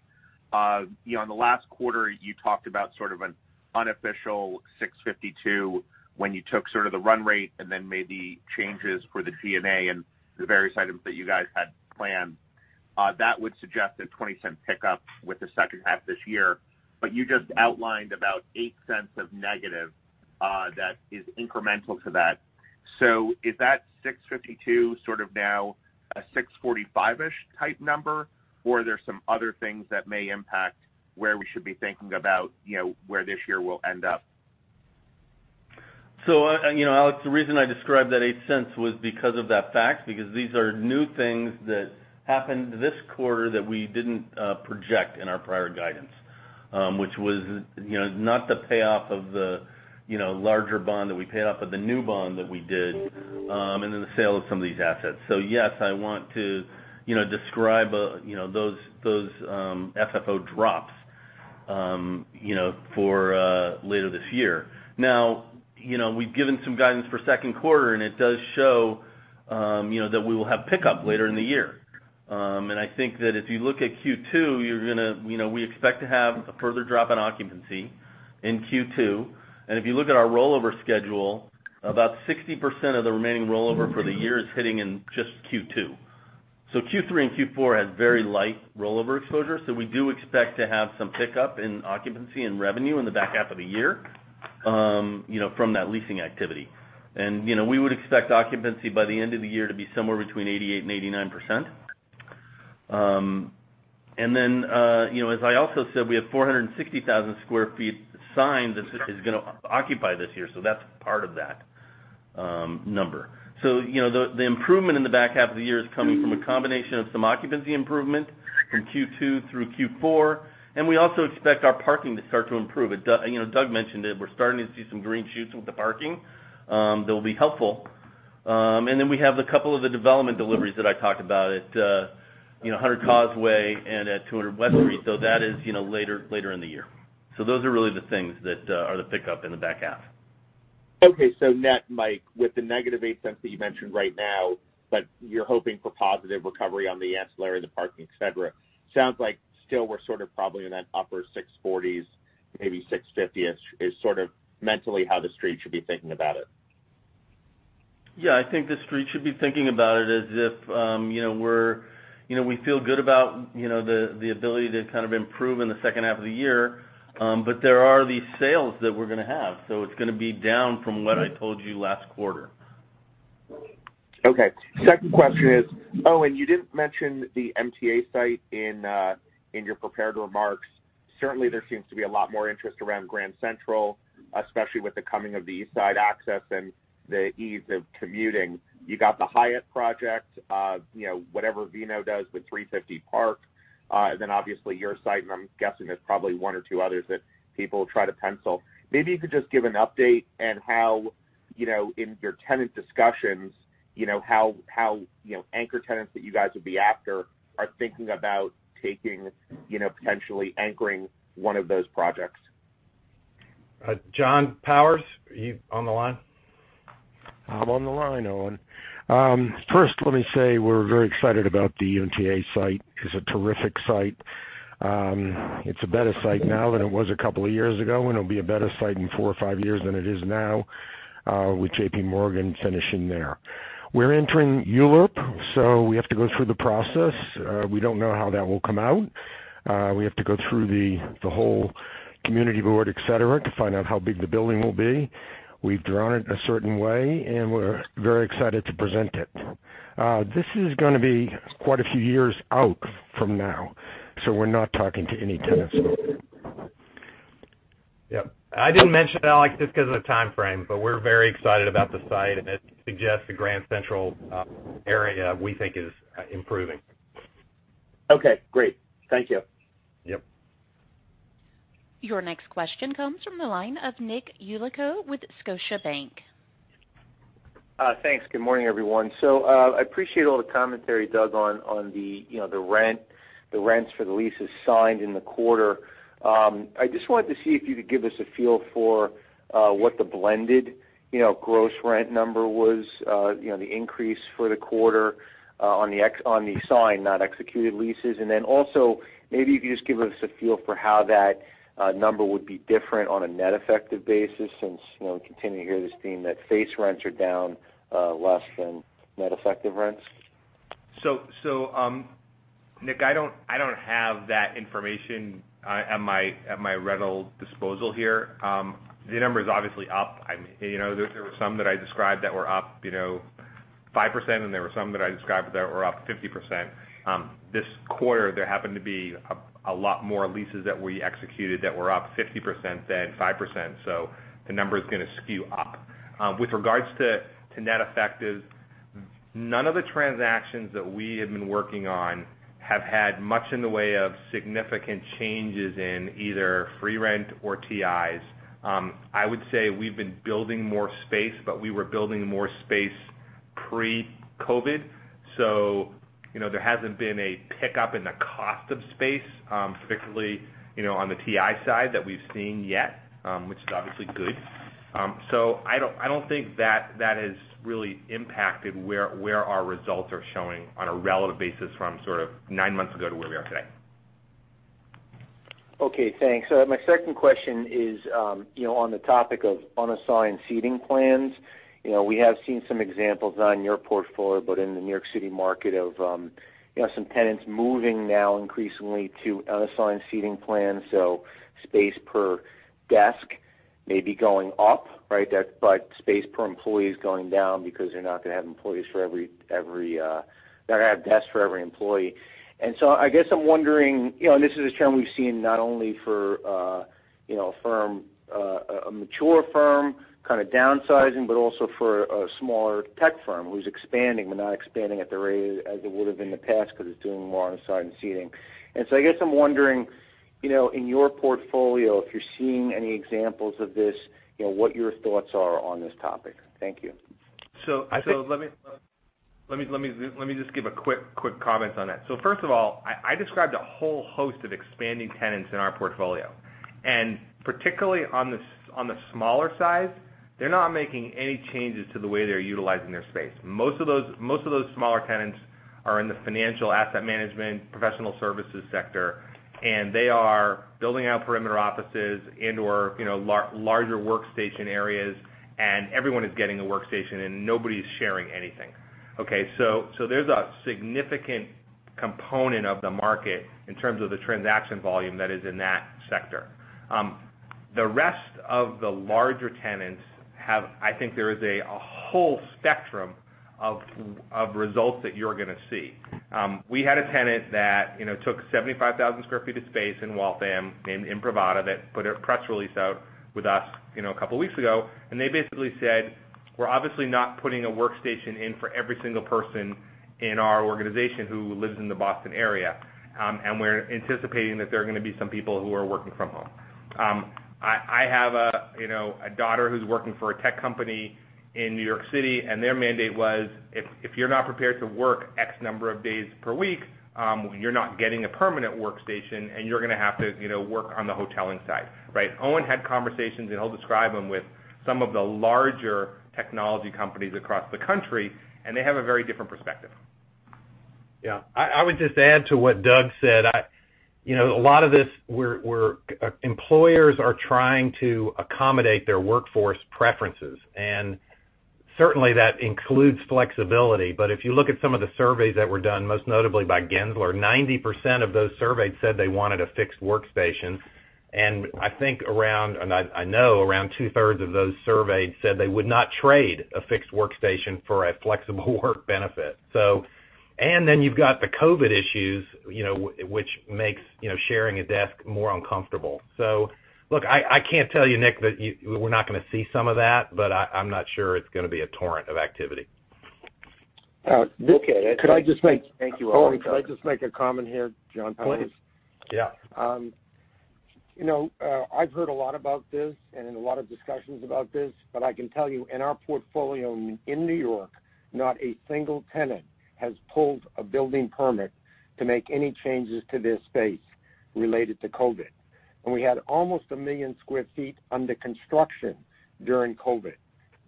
On the last quarter, you talked about sort of an unofficial $6.52 when you took sort of the run rate and then made the changes for the G&A and the various items that you guys had planned. That would suggest a $0.20 pickup with the second half of this year. You just outlined about $0.08 of negative that is incremental to that. Is that $6.52 sort of now a $6.45-ish type number, or are there some other things that may impact where we should be thinking about where this year will end up? Alex, the reason I described that $0.08 was because of that fact, because these are new things that happened this quarter that we didn't project in our prior guidance, which was not the payoff of the larger bond that we paid off, but the new bond that we did, and then the sale of some of these assets. I want to describe those FFO drops for later this year. We've given some guidance for second quarter, and it does show that we will have pickup later in the year. I think that if you look at Q2, we expect to have a further drop in occupancy in Q2. If you look at our rollover schedule, about 60% of the remaining rollover for the year is hitting in just Q2. Q3 and Q4 had very light rollover exposure. We do expect to have some pickup in occupancy and revenue in the back half of the year from that leasing activity. We would expect occupancy by the end of the year to be somewhere between 88% and 89%. As I also said, we have 460,000 sq ft signed that is going to occupy this year, so that's part of that number. The improvement in the back half of the year is coming from a combination of some occupancy improvement from Q2 through Q4, and we also expect our parking to start to improve. Doug mentioned it. We're starting to see some green shoots with the parking that will be helpful. We have a couple of the development deliveries that I talked about at 100 Causeway and at 200 West Street. That is later in the year. Those are really the things that are the pickup in the back half. Okay. Net, Mike, with the negative $0.08 that you mentioned right now, you're hoping for positive recovery on the ancillary, the parking, et cetera. Sounds like still we're sort of probably in that upper 640s, maybe 650-ish, is sort of mentally how The Street should be thinking about it. Yeah, I think The Street should be thinking about it as if we feel good about the ability to kind of improve in the second half of the year. There are these sales that we're going to have. It's going to be down from what I told you last quarter. Okay. Second question. You didn't mention the MTA site in your prepared remarks. Certainly, there seems to be a lot more interest around Grand Central, especially with the coming of the East Side Access and the ease of commuting. You got the Hyatt project, whatever VNO does with 350 Park. Obviously your site, and I'm guessing there's probably one or two others that people will try to pencil. Maybe you could just give an update in your tenant discussions, how anchor tenants that you guys would be after are thinking about potentially anchoring one of those projects. John Powers, are you on the line? I'm on the line, Owen. First let me say we're very excited about the MTA site. It's a terrific site. It's a better site now than it was a couple of years ago, and it'll be a better site in four or five years than it is now with JP Morgan finishing there. We're entering ULURP, we have to go through the process. We don't know how that will come out. Community board, et cetera, to find out how big the building will be. We've drawn it a certain way, and we're very excited to present it. This is going to be quite a few years out from now, so we're not talking to any tenants about it. Yep. I didn't mention it, Alex, just because of the timeframe, but we're very excited about the site, and it suggests the Grand Central area we think is improving. Okay, great. Thank you. Yep. Your next question comes from the line of Nick Yulico with Scotiabank. Thanks. Good morning, everyone. I appreciate all the commentary, Doug, on the rents for the leases signed in the quarter. I just wanted to see if you could give us a feel for what the blended gross rent number was, the increase for the quarter, on the signed, not executed leases. Also, maybe if you could just give us a feel for how that number would be different on a net effective basis since we continue to hear this theme that face rents are down less than net effective rents. Nick, I don't have that information at my rental disposal here. The number is obviously up. There were some that I described that were up 5%, and there were some that I described that were up 50%. This quarter, there happened to be a lot more leases that we executed that were up 50% than 5%, so the number is going to skew up. With regards to net effective, none of the transactions that we have been working on have had much in the way of significant changes in either free rent or TIs. I would say we've been building more space, but we were building more space pre-COVID, so there hasn't been a pickup in the cost of space, particularly on the TI side, that we've seen yet, which is obviously good. I don't think that has really impacted where our results are showing on a relative basis from sort of nine months ago to where we are today. Okay, thanks. My second question is on the topic of unassigned seating plans. We have seen some examples, not in your portfolio, but in the New York City market of some tenants moving now increasingly to unassigned seating plans. Space per desk may be going up. Space per employee is going down because they're not going to have desks for every employee. I guess I'm wondering, and this is a trend we've seen not only for a mature firm kind of downsizing, but also for a smaller tech firm who's expanding, but not expanding at the rate as it would've in the past because it's doing more unassigned seating. I guess I'm wondering, in your portfolio, if you're seeing any examples of this, what your thoughts are on this topic. Thank you. Let me just give a quick comment on that. First of all, I described a whole host of expanding tenants in our portfolio, and particularly on the smaller side, they're not making any changes to the way they're utilizing their space. Most of those smaller tenants are in the financial asset management, professional services sector, and they are building out perimeter offices and/or larger workstation areas, and everyone is getting a workstation and nobody's sharing anything. Okay. There's a significant component of the market in terms of the transaction volume that is in that sector. The rest of the larger tenants have, I think there is a whole spectrum of results that you're going to see. We had a tenant that took 75,000 sq ft of space in Waltham, in Imprivata, that put a press release out with us a couple of weeks ago, and they basically said, "We're obviously not putting a workstation in for every single person in our organization who lives in the Boston area, and we're anticipating that there are going to be some people who are working from home." I have a daughter who's working for a tech company in New York City, and their mandate was, if you're not prepared to work X number of days per week, you're not getting a permanent workstation, and you're going to have to work on the hoteling side. Right. Owen had conversations, and he'll describe them, with some of the larger technology companies across the country, and they have a very different perspective. Yeah. I would just add to what Doug said. A lot of this, employers are trying to accommodate their workforce preferences, and certainly, that includes flexibility. If you look at some of the surveys that were done, most notably by Gensler, 90% of those surveyed said they wanted a fixed workstation. I know around 2/3 of those surveyed said they would not trade a fixed workstation for a flexible work benefit. You've got the COVID issues, which makes sharing a desk more uncomfortable. Look, I can't tell you, Nick, that we're not going to see some of that, but I'm not sure it's going to be a torrent of activity. Okay. Thank you. Owen, could I just make a comment here, John? Please. Yeah. I've heard a lot about this and in a lot of discussions about this, but I can tell you in our portfolio in New York, not a single tenant has pulled a building permit to make any changes to their space related to COVID. We had almost 1 million sq ft under construction during COVID,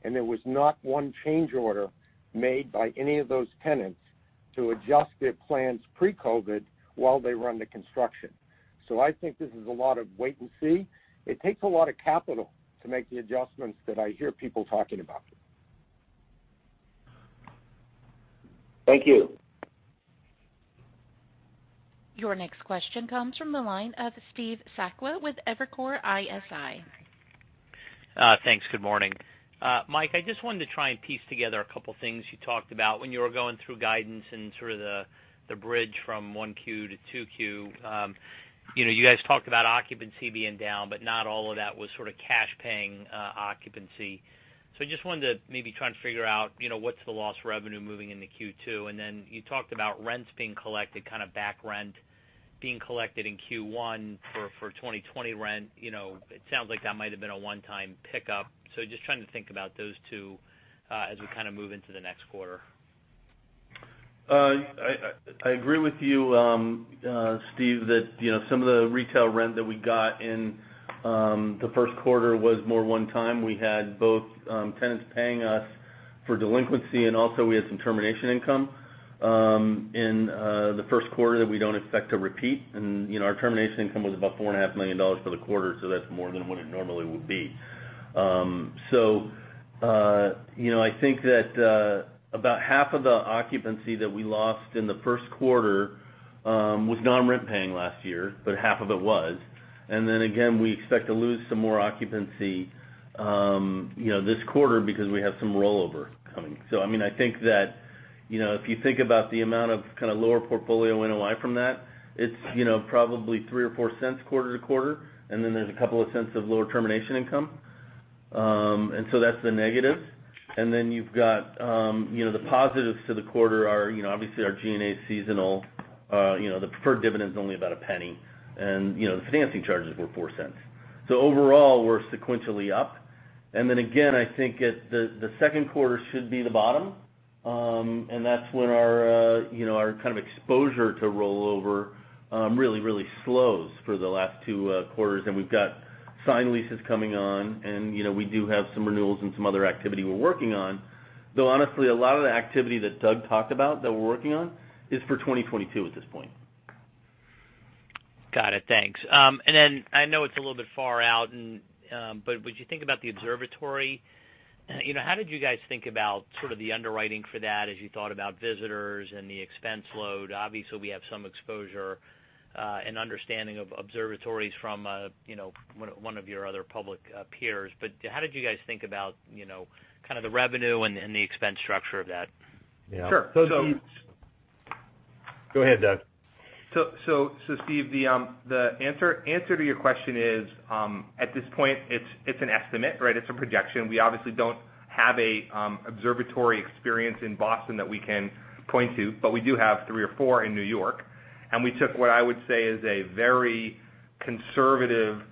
and there was not one change order made by any of those tenants to adjust their plans pre-COVID while they were under construction. I think this is a lot of wait and see. It takes a lot of capital to make the adjustments that I hear people talking about. Thank you. Your next question comes from the line of Steve Sakwa with Evercore ISI. Thanks. Good morning. Mike, I just wanted to try and piece together a couple things you talked about when you were going through guidance and sort of the bridge from 1Q to 2Q. You guys talked about occupancy being down, but not all of that was sort of cash paying occupancy. I just wanted to maybe try and figure out what's the lost revenue moving into Q2, and then you talked about rents being collected, kind of back rent being collected in Q1 for 2020 rent. It sounds like that might have been a one-time pickup. Just trying to think about those two as we kind of move into the next quarter. I agree with you, Steve, that some of the retail rent that we got in the first quarter was more one time. We had both tenants paying us for delinquency, and also we had some termination income in the first quarter that we don't expect to repeat. Our termination income was about $4.5 million for the quarter, that's more than what it normally would be. I think that about 1/2 of the occupancy that we lost in the first quarter was non-rent-paying last year, but 1/2 of it was. Then again, we expect to lose some more occupancy this quarter because we have some rollover coming. I think that, if you think about the amount of kind of lower portfolio NOI from that, it's probably $0.03 or $0.04 quarter to quarter, and then there's $0.02 of lower termination income. That's the negative. You've got the positives to the quarter are obviously our G&A is seasonal. The preferred dividend's only about $0.01, and the financing charges were $0.04. Overall, we're sequentially up. Again, I think the second quarter should be the bottom. That's when our kind of exposure to rollover really slows for the last two quarters. We've got signed leases coming on, and we do have some renewals and some other activity we're working on, though honestly, a lot of the activity that Doug talked about that we're working on is for 2022 at this point. Got it. Thanks. I know it's a little bit far out, would you think about the observatory? How did you guys think about sort of the underwriting for that as you thought about visitors and the expense load? Obviously, we have some exposure and understanding of observatories from one of your other public peers, how did you guys think about kind of the revenue and the expense structure of that? Yeah. Sure. Go ahead, Doug. Steve, the answer to your question is at this point, it's an estimate, right? It's a projection. We obviously don't have an observatory experience in Boston that we can point to, but we do have three or four in New York. We took what I would say is a very conservative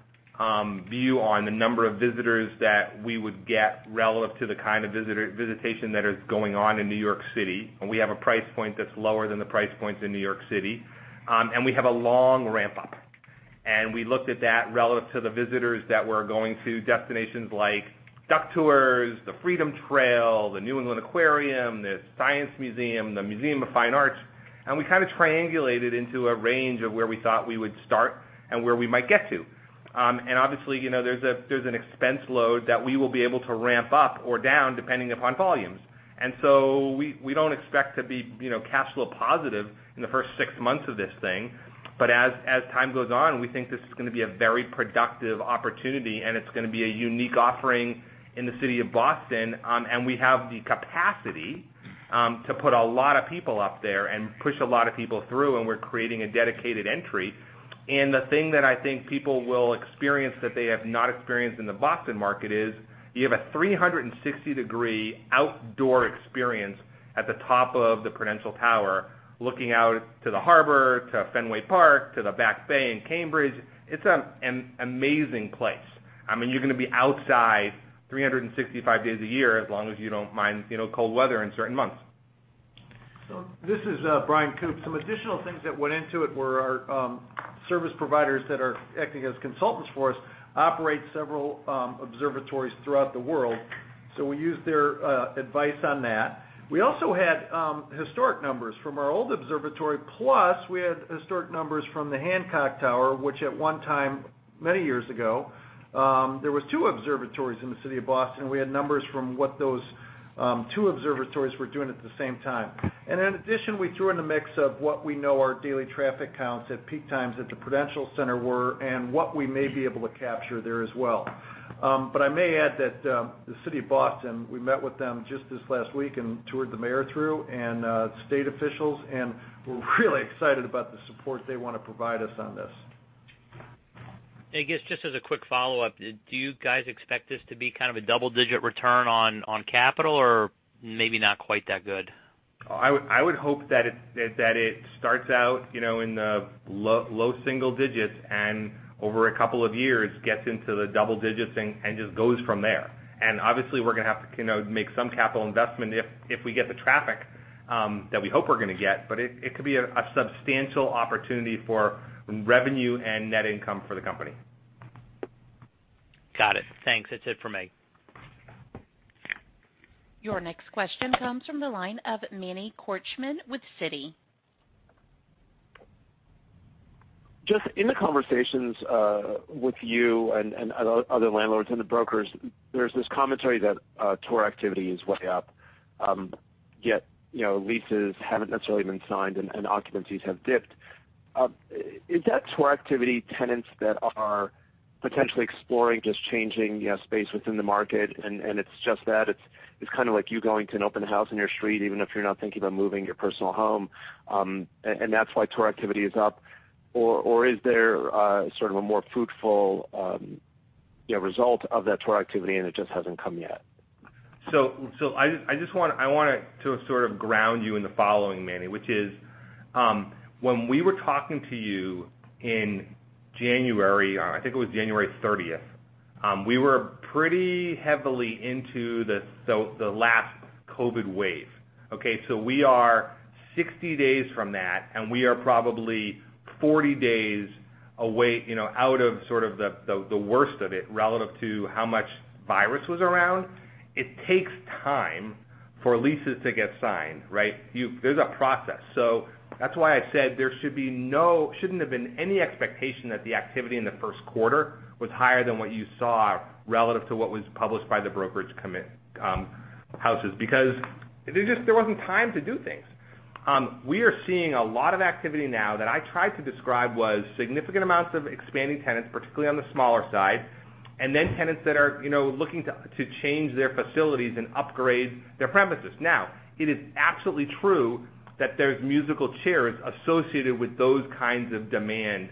view on the number of visitors that we would get relative to the kind of visitation that is going on in New York City. We have a price point that's lower than the price points in New York City. We have a long ramp-up. We looked at that relative to the visitors that were going to destinations like Duck Tours, the Freedom Trail, the New England Aquarium, the Museum of Science, the Museum of Fine Arts, we kind of triangulated into a range of where we thought we would start and where we might get to. Obviously, there's an expense load that we will be able to ramp up or down depending upon volumes. So we don't expect to be cash flow positive in the first six months of this thing. As time goes on, we think this is going to be a very productive opportunity, it's going to be a unique offering in the city of Boston, we have the capacity to put a lot of people up there and push a lot of people through, we're creating a dedicated entry. The thing that I think people will experience that they have not experienced in the Boston market is you have a 360-degree outdoor experience at the top of the Prudential Tower, looking out to the harbor, to Fenway Park, to the Back Bay in Cambridge. It's an amazing place. I mean, you're going to be outside 365 days a year, as long as you don't mind cold weather in certain months. This is Bryan Koop. Some additional things that went into it were our service providers that are acting as consultants for us operate several observatories throughout the world. We used their advice on that. We also had historic numbers from our old observatory, plus we had historic numbers from the Hancock Tower, which at one time, many years ago, there was two observatories in the city of Boston. We had numbers from what those two observatories were doing at the same time. In addition, we threw in a mix of what we know our daily traffic counts at peak times at the Prudential Center were and what we may be able to capture there as well. I may add that the city of Boston, we met with them just this last week and toured the mayor through and state officials, and we're really excited about the support they want to provide us on this. I guess, just as a quick follow-up, do you guys expect this to be kind of a double-digit return on capital, or maybe not quite that good? I would hope that it starts out in the low single digits and over a couple of years gets into the double digits and just goes from there. Obviously, we're going to have to make some capital investment if we get the traffic that we hope we're going to get. It could be a substantial opportunity for revenue and net income for the company. Got it. Thanks. That's it for me. Your next question comes from the line of Manny Korchman with Citi. Just in the conversations with you and other landlords and the brokers, there's this commentary that tour activity is way up, yet leases haven't necessarily been signed, and occupancies have dipped. Is that tour activity tenants that are potentially exploring just changing space within the market, and it's just that? It's kind of like you going to an open house in your street, even if you're not thinking about moving your personal home, and that's why tour activity is up, or is there sort of a more fruitful result of that tour activity, and it just hasn't come yet? I want to sort of ground you in the following, Manny, which is, when we were talking to you in January, I think it was January 30th, we were pretty heavily into the last COVID wave, okay? We are 60 days from that, and we are probably 40 days out of sort of the worst of it relative to how much virus was around. It takes time for leases to get signed, right? There's a process. That's why I said there shouldn't have been any expectation that the activity in the first quarter was higher than what you saw relative to what was published by the brokerage [commit houses]. Because there wasn't time to do things. We are seeing a lot of activity now that I tried to describe was significant amounts of expanding tenants, particularly on the smaller side, and then tenants that are looking to change their facilities and upgrade their premises. It is absolutely true that there's musical chairs associated with those kinds of demand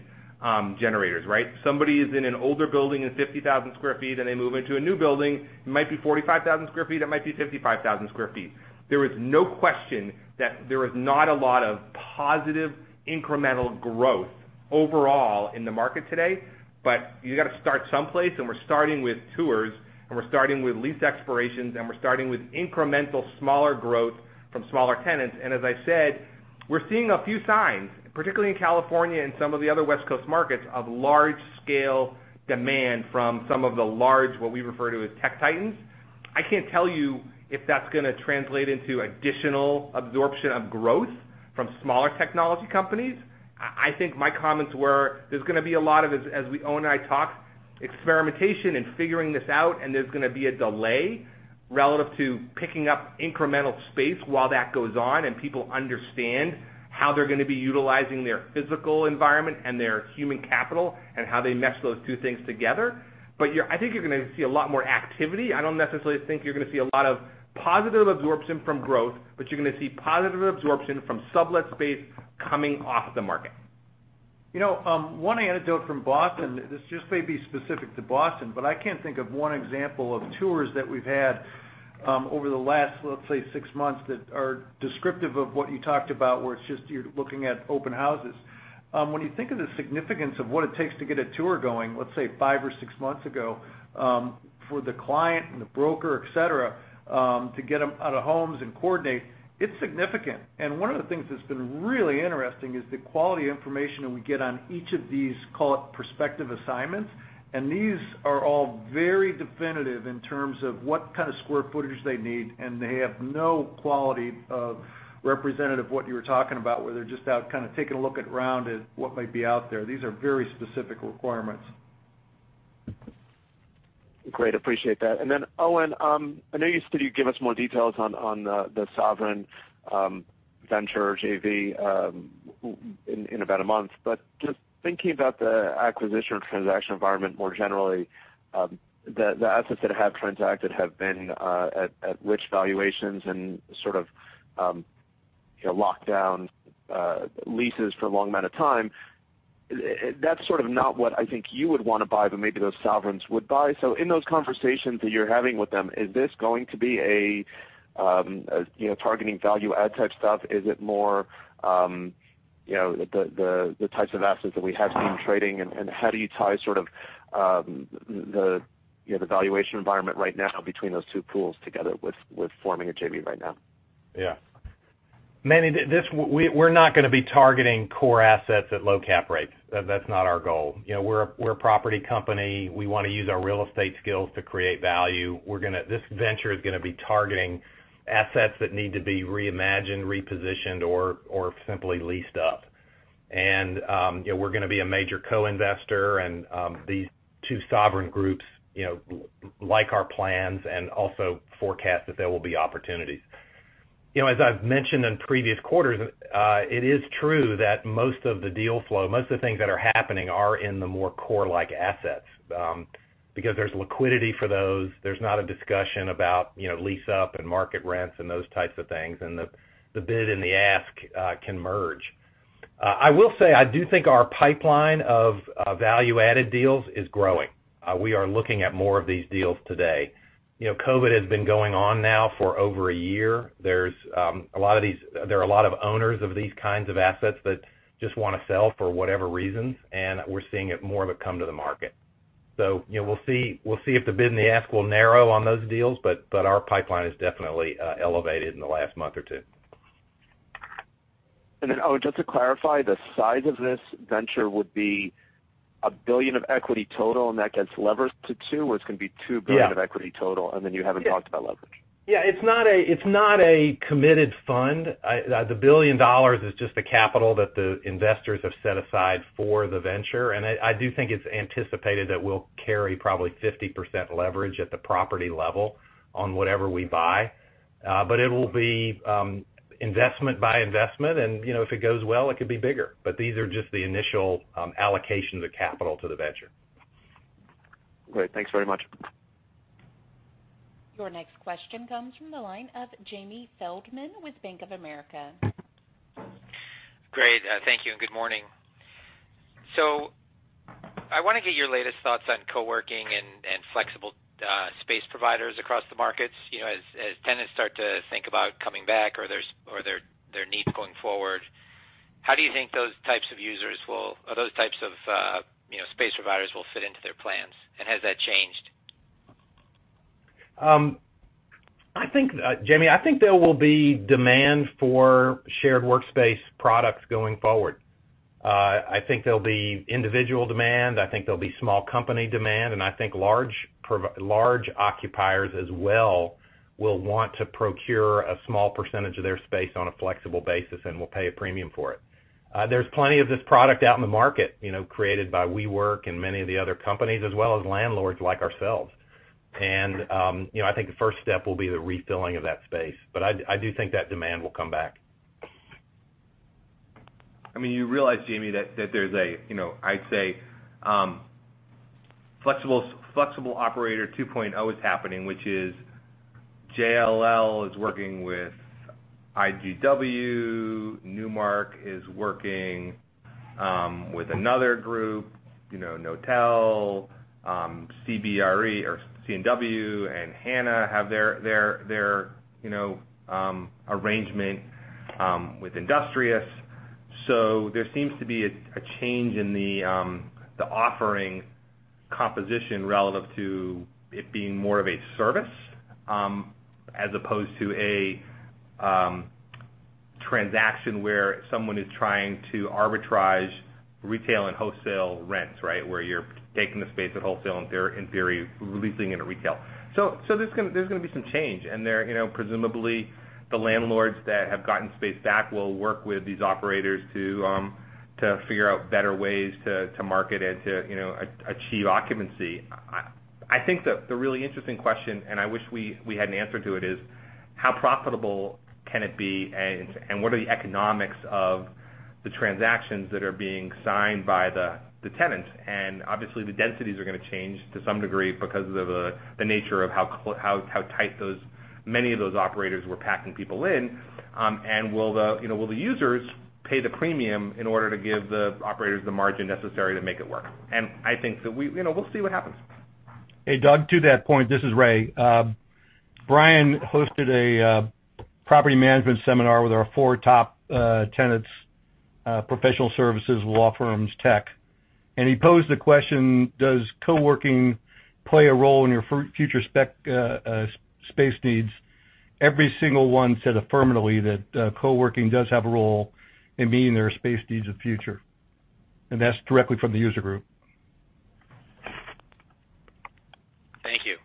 generators, right? Somebody is in an older building in 50,000 sq ft, and they move into a new building. It might be 45,000 sq ft, it might be 55,000 sq ft. There is no question that there is not a lot of positive incremental growth overall in the market today. You've got to start someplace, and we're starting with tours and we're starting with lease expirations, and we're starting with incremental, smaller growth from smaller tenants. As I said, we're seeing a few signs, particularly in California and some of the other West Coast markets, of large-scale demand from some of the large, what we refer to as tech titans. I can't tell you if that's going to translate into additional absorption of growth from smaller technology companies. I think my comments were, there's going to be a lot of, as we own and I talk, experimentation and figuring this out, and there's going to be a delay relative to picking up incremental space while that goes on and people understand how they're going to be utilizing their physical environment and their human capital and how they mesh those two things together. I think you're going to see a lot more activity. I don't necessarily think you're going to see a lot of positive absorption from growth, but you're going to see positive absorption from sublet space coming off the market. One anecdote from Boston, this just may be specific to Boston, but I can't think of one example of tours that we've had over the last, let's say, six months that are descriptive of what you talked about, where it's just you're looking at open houses. When you think of the significance of what it takes to get a tour going, let's say five or six months ago, for the client and the broker, et cetera, to get them out of homes and coordinate, it's significant. One of the things that's been really interesting is the quality information that we get on each of these, call it prospective assignments. These are all very definitive in terms of what kind of square footage they need, and they have no quality of representative of what you were talking about, where they're just out kind of taking a look around at what might be out there. These are very specific requirements. Great. Appreciate that. Owen, I know you said you'd give us more details on the sovereign venture JV in about a month. Just thinking about the acquisition or transaction environment more generally, the assets that have transacted have been at rich valuations and sort of locked down leases for a long amount of time. That's sort of not what I think you would want to buy, but maybe those sovereigns would buy. In those conversations that you're having with them, is this going to be a targeting value add type stuff? Is it more the types of assets that we have seen trading? How do you tie sort of the valuation environment right now between those two pools together with forming a JV right now? Yeah. Manny, we're not going to be targeting core assets at low cap rates. That's not our goal. We're a property company. We want to use our real estate skills to create value. This venture is going to be targeting assets that need to be reimagined, repositioned, or simply leased up. We're going to be a major co-investor, and these two sovereign groups like our plans and also forecast that there will be opportunities. As I've mentioned in previous quarters, it is true that most of the deal flow, most of the things that are happening are in the more core-like assets, because there's liquidity for those. There's not a discussion about lease up and market rents and those types of things. The bid and the ask can merge. I will say, I do think our pipeline of value-added deals is growing. We are looking at more of these deals today. COVID has been going on now for over a year. There are a lot of owners of these kinds of assets that just want to sell for whatever reasons. We're seeing more of it come to the market. We'll see if the bid and the ask will narrow on those deals. Our pipeline has definitely elevated in the last month or two. Owen, just to clarify, the size of this venture would be? $1 billion of equity total, and that gets levered to $2 billion, or it's going to be $2 billion. Yeah. Of equity total, and then you haven't talked about leverage. Yeah. It's not a committed fund. The $1 billion is just the capital that the investors have set aside for the venture. I do think it's anticipated that we'll carry probably 50% leverage at the property level on whatever we buy. It will be investment by investment, and if it goes well, it could be bigger. These are just the initial allocations of capital to the venture. Great. Thanks very much. Your next question comes from the line of Jamie Feldman with Bank of America. Great. Thank you, and good morning. I want to get your latest thoughts on co-working and flexible space providers across the markets. As tenants start to think about coming back or their needs going forward, how do you think those types of space providers will fit into their plans, and has that changed? Jamie, I think there will be demand for shared workspace products going forward. I think there'll be individual demand, I think there'll be small company demand, I think large occupiers as well will want to procure a small percentage of their space on a flexible basis and will pay a premium for it. There's plenty of this product out in the market, created by WeWork and many of the other companies, as well as landlords like ourselves. I think the first step will be the refilling of that space, I do think that demand will come back. You realize, Jamie, that there's a, I'd say, flexible operator 2.0 is happening, which is JLL is working with IWG, Newmark is working with another group, Knotel, CBRE or C&W, and Hana have their arrangement with Industrious. There seems to be a change in the offering composition relative to it being more of a service, as opposed to a transaction where someone is trying to arbitrage retail and wholesale rents, right? Where you're taking the space at wholesale and, in theory, leasing it at retail. There's going to be some change. Presumably, the landlords that have gotten space back will work with these operators to figure out better ways to market and to achieve occupancy. I think the really interesting question, and I wish we had an answer to it, is how profitable can it be, and what are the economics of the transactions that are being signed by the tenants? Obviously, the densities are going to change to some degree because of the nature of how tight many of those operators were packing people in. Will the users pay the premium in order to give the operators the margin necessary to make it work? I think that we'll see what happens. Hey, Doug, to that point, this is Ray. Bryan hosted a property management seminar with our four top tenants, professional services, law firms, tech. He posed the question, does co-working play a role in your future space needs? Every single one said affirmatively that co-working does have a role in meeting their space needs of the future. That's directly from the user group. Thank you.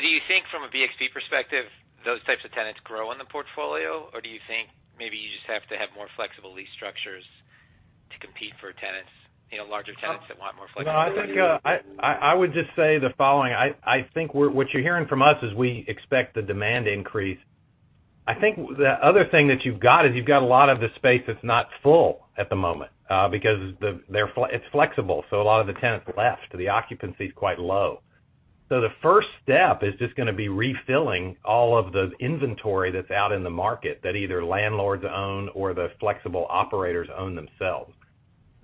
Do you think from a BXP perspective, those types of tenants grow in the portfolio? Do you think maybe you just have to have more flexible lease structures to compete for tenants, larger tenants that want more flexibility? I would just say the following. I think what you're hearing from us is we expect the demand increase. I think the other thing that you've got is you've got a lot of the space that's not full at the moment, because it's flexible, a lot of the tenants left. The occupancy's quite low. The first step is just going to be refilling all of the inventory that's out in the market that either landlords own or the flexible operators own themselves.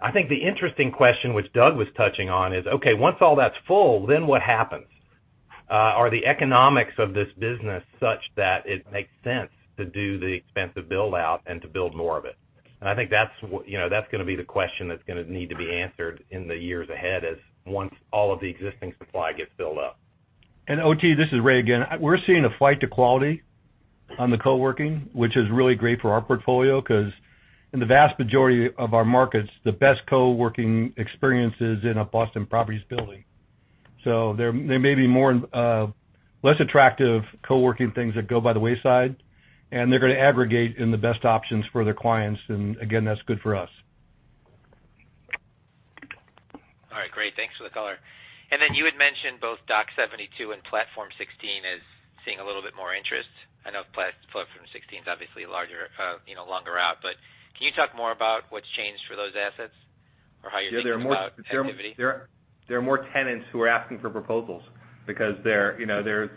I think the interesting question which Doug was touching on is, okay, once all that's full, what happens? Are the economics of this business such that it makes sense to do the expensive build-out and to build more of it? I think that's going to be the question that's going to need to be answered in the years ahead as once all of the existing supply gets built up. OT, this is Ray again. We're seeing a flight to quality on the co-working, which is really great for our portfolio because in the vast majority of our markets, the best co-working experience is in a Boston Properties building. There may be less attractive co-working things that go by the wayside, and they're going to aggregate in the best options for their clients. Again, that's good for us. All right. Great. Thanks for the color. Then you had mentioned both Dock 72 and Platform 16 as seeing a little bit more interest. I know Platform 16 is obviously longer out, but can you talk more about what's changed for those assets or how you're thinking about activity? There are more tenants who are asking for proposals because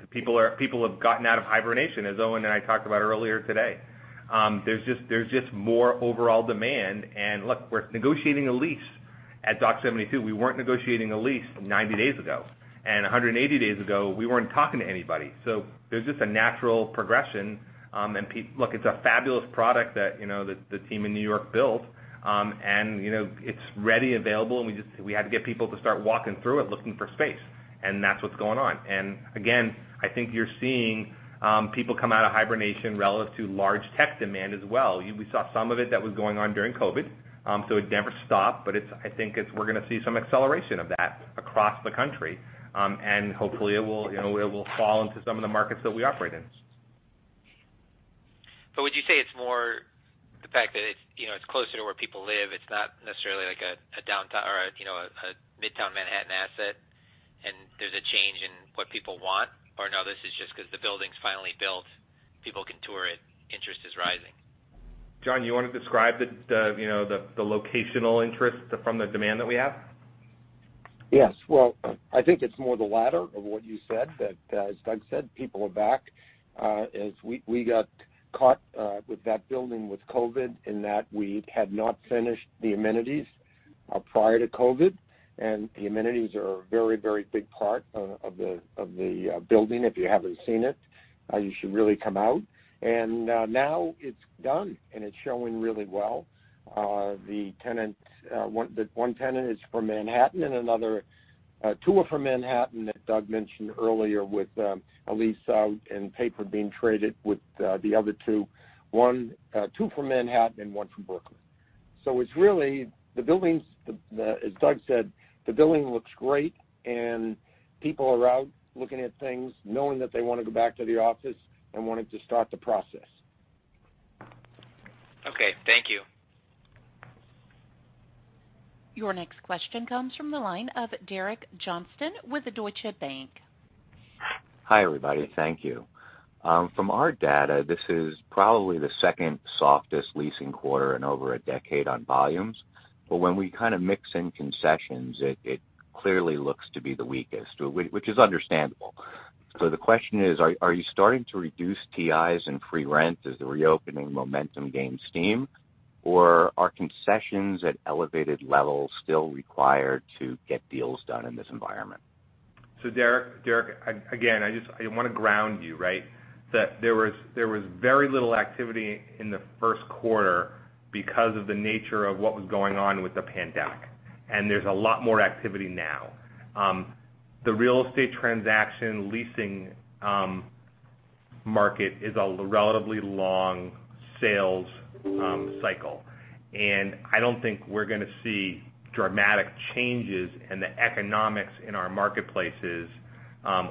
people have gotten out of hibernation, as Owen and I talked about earlier today. There's just more overall demand. Look, we're negotiating a lease at Dock 72. We weren't negotiating a lease 90 days ago. 180 days ago, we weren't talking to anybody. There's just a natural progression. Look, it's a fabulous product that the team in New York built. It's ready, available, and we had to get people to start walking through it, looking for space. That's what's going on. Again, I think you're seeing people come out of hibernation relative to large tech demand as well. We saw some of it that was going on during COVID, so it never stopped, but I think we're going to see some acceleration of that across the country. Hopefully, it will fall into some of the markets that we operate in. Would you say it's more the fact that it's closer to where people live, it's not necessarily like a Midtown Manhattan asset, and there's a change in what people want? No, this is just because the building's finally built, people can tour it, interest is rising. John, you want to describe the locational interest from the demand that we have? Well, I think it's more the latter of what you said, that as Doug said, people are back. We got caught with that building with COVID, in that we had not finished the amenities prior to COVID, and the amenities are a very big part of the building. If you haven't seen it, you should really come out. Now it's done, and it's showing really well. One tenant is from Manhattan and two are from Manhattan that Doug mentioned earlier, with a lease and paper being traded with the other two. Two from Manhattan and one from Brooklyn. It's really, as Doug said, the building looks great, and people are out looking at things, knowing that they want to go back to the office and wanting to start the process. Okay. Thank you. Your next question comes from the line of Derek Johnston with Deutsche Bank. Hi, everybody. Thank you. From our data, this is probably the second softest leasing quarter in over a decade on volumes. When we kind of mix in concessions, it clearly looks to be the weakest, which is understandable. The question is, are you starting to reduce TIs and free rent as the reopening momentum gains steam, or are concessions at elevated levels still required to get deals done in this environment? Derek, again, I want to ground you. That there was very little activity in the first quarter because of the nature of what was going on with the pandemic, and there's a lot more activity now. The real estate transaction leasing market is a relatively long sales cycle, and I don't think we're going to see dramatic changes in the economics in our marketplaces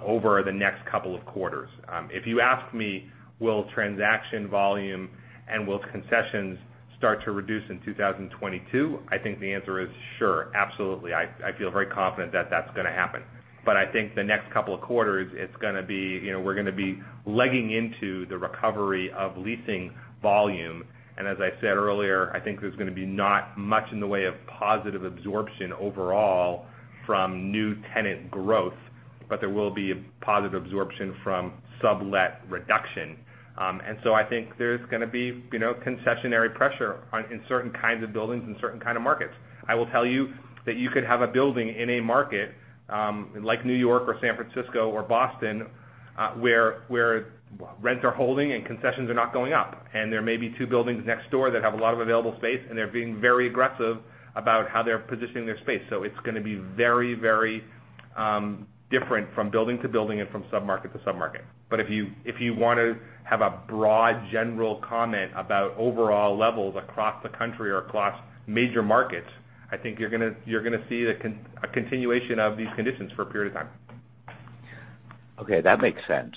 over the next couple of quarters. If you ask me, will transaction volume and will concessions start to reduce in 2022? I think the answer is sure. Absolutely. I feel very confident that that's going to happen. I think the next couple of quarters, we're going to be legging into the recovery of leasing volume, and as I said earlier, I think there's going to be not much in the way of positive absorption overall from new tenant growth, but there will be a positive absorption from sublet reduction. I think there's going to be concessionary pressure in certain kinds of buildings and certain kind of markets. I will tell you that you could have a building in a market like New York or San Francisco or Boston, where rents are holding and concessions are not going up. There may be two buildings next door that have a lot of available space, and they're being very aggressive about how they're positioning their space. It's going to be very different from building to building and from sub-market to sub-market. If you want to have a broad general comment about overall levels across the country or across major markets, I think you're going to see a continuation of these conditions for a period of time. Okay. That makes sense.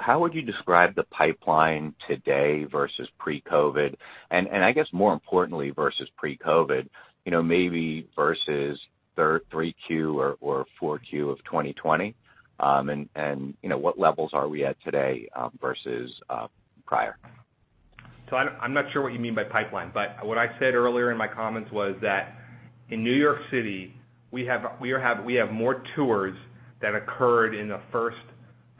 How would you describe the pipeline today versus pre-COVID, and I guess more importantly, versus pre-COVID, maybe versus 3Q or 4Q of 2020? What levels are we at today versus prior? I'm not sure what you mean by pipeline, but what I said earlier in my comments was that in New York City, we have more tours that occurred in the first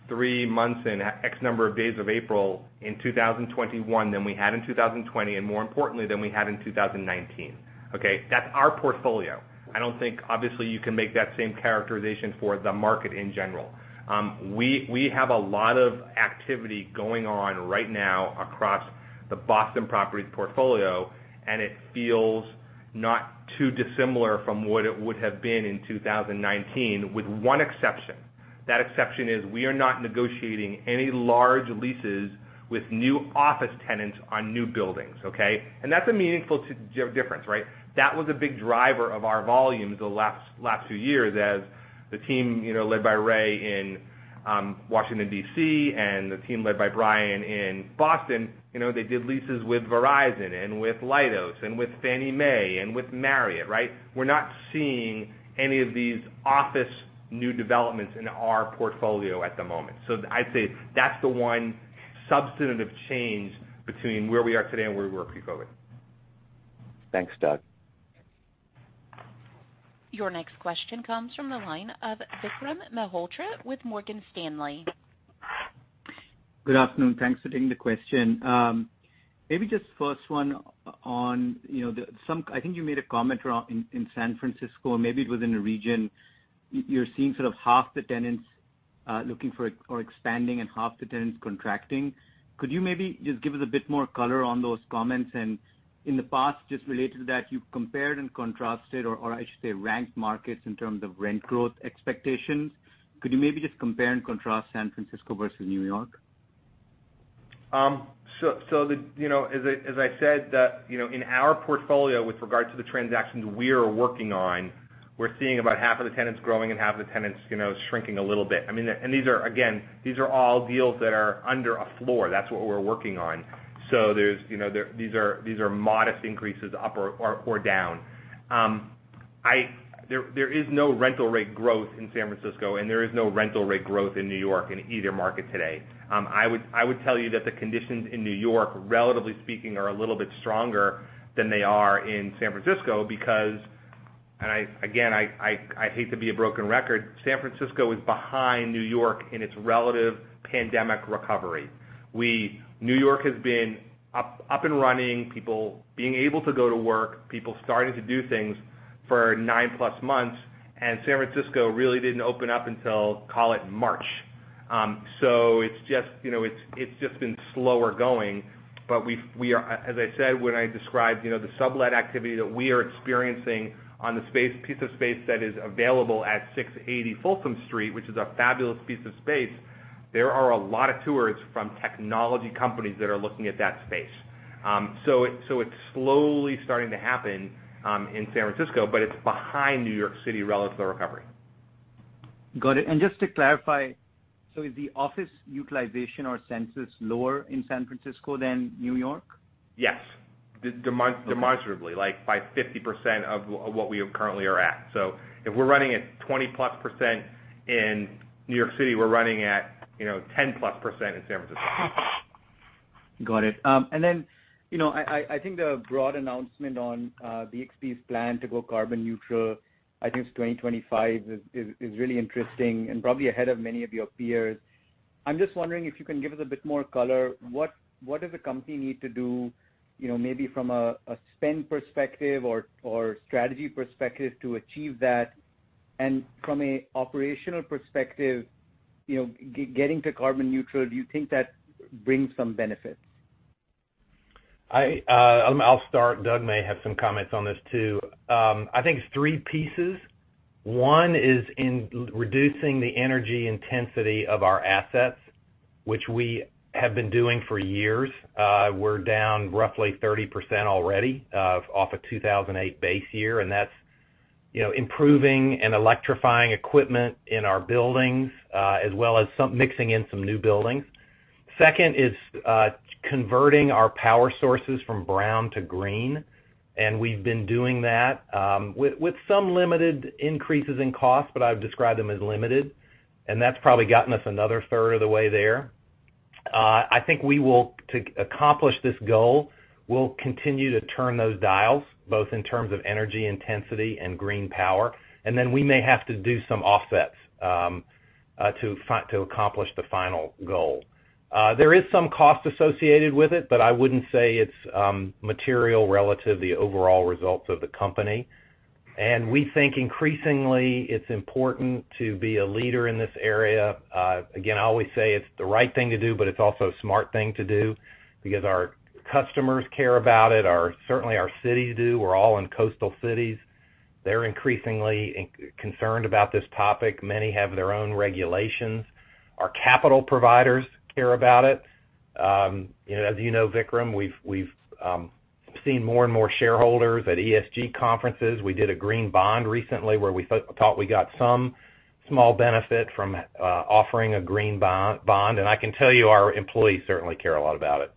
three months and X number of days of April in 2021 than we had in 2020, and more importantly than we had in 2019. Okay. That's our portfolio. I don't think obviously you can make that same characterization for the market in general. We have a lot of activity going on right now across the Boston Properties portfolio, and it feels not too dissimilar from what it would have been in 2019, with one exception. That exception is we are not negotiating any large leases with new office tenants on new buildings. Okay. That's a meaningful difference, right. That was a big driver of our volumes the last two years as the team led by Ray in Washington, D.C., and the team led by Bryan in Boston, they did leases with Verizon and with Leidos, and with Fannie Mae, and with Marriott, right? We're not seeing any of these office new developments in our portfolio at the moment. I'd say that's the one substantive change between where we are today and where we were pre-COVID-19. Thanks, Doug. Your next question comes from the line of Vikram Malhotra with Morgan Stanley. Good afternoon. Thanks for taking the question. Maybe just first one. I think you made a comment around in San Francisco, or maybe it was in a region. You're seeing sort of half the tenants looking for expanding and half the tenants contracting. Could you maybe just give us a bit more color on those comments? In the past, just related to that, you've compared and contrasted, or I should say ranked markets in terms of rent growth expectations. Could you maybe just compare and contrast San Francisco versus New York? As I said that in our portfolio, with regard to the transactions we are working on. We're seeing about 1/2 of the tenants growing and half the tenants shrinking a little bit. Again, these are all deals that are under a floor. That's what we're working on. These are modest increases up or down. There is no rental rate growth in San Francisco, and there is no rental rate growth in New York in either market today. I would tell you that the conditions in New York, relatively speaking, are a little bit stronger than they are in San Francisco because, again, I hate to be a broken record, San Francisco is behind New York in its relative pandemic recovery. New York has been up and running, people being able to go to work, people starting to do things for 9+ months. San Francisco really didn't open up until, call it March. It's just been slower going. As I said when I described the sublet activity that we are experiencing on the piece of space that is available at 680 Folsom Street, which is a fabulous piece of space, there are a lot of tours from technology companies that are looking at that space. It's slowly starting to happen in San Francisco, but it's behind New York City relative to recovery. Got it. Just to clarify, is the office utilization or census lower in San Francisco than New York? Yes. Okay. Demonstrably, like by 50% of what we currently are at. If we're running at 20+% in New York City, we're running at 10+% in San Francisco. Got it. I think the broad announcement on BXP's plan to go carbon neutral, I think it's 2025, is really interesting and probably ahead of many of your peers. I'm just wondering if you can give us a bit more color. What does the company need to do, maybe from a spend perspective or strategy perspective to achieve that? From an operational perspective, getting to carbon neutral, do you think that brings some benefits? I'll start. Doug may have some comments on this, too. I think it's three pieces. One is in reducing the energy intensity of our assets, which we have been doing for years. We're down roughly 30% already off a 2008 base year, and that's improving and electrifying equipment in our buildings, as well as mixing in some new buildings. Second is converting our power sources from brown to green, and we've been doing that with some limited increases in cost, but I'd describe them as limited, and that's probably gotten us another third of the way there. I think to accomplish this goal, we'll continue to turn those dials, both in terms of energy intensity and green power, and then we may have to do some offsets to accomplish the final goal. There is some cost associated with it, but I wouldn't say it's material relative to the overall results of the company. We think increasingly it's important to be a leader in this area. Again, I always say it's the right thing to do, but it's also a smart thing to do because our customers care about it. Certainly, our cities do. We're all in coastal cities. They're increasingly concerned about this topic. Many have their own regulations. Our capital providers care about it. As you know, Vikram, we've seen more and more shareholders at ESG conferences. We did a green bond recently where we thought we got some small benefit from offering a green bond. I can tell you our employees certainly care a lot about it.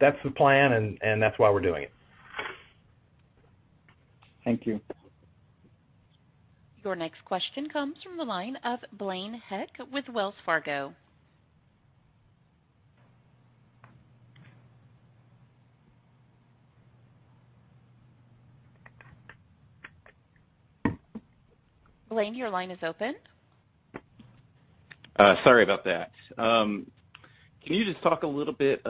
That's the plan, and that's why we're doing it. Thank you. Your next question comes from the line of Blaine Heck with Wells Fargo. Blaine, your line is open. Sorry about that. Can you just talk a little bit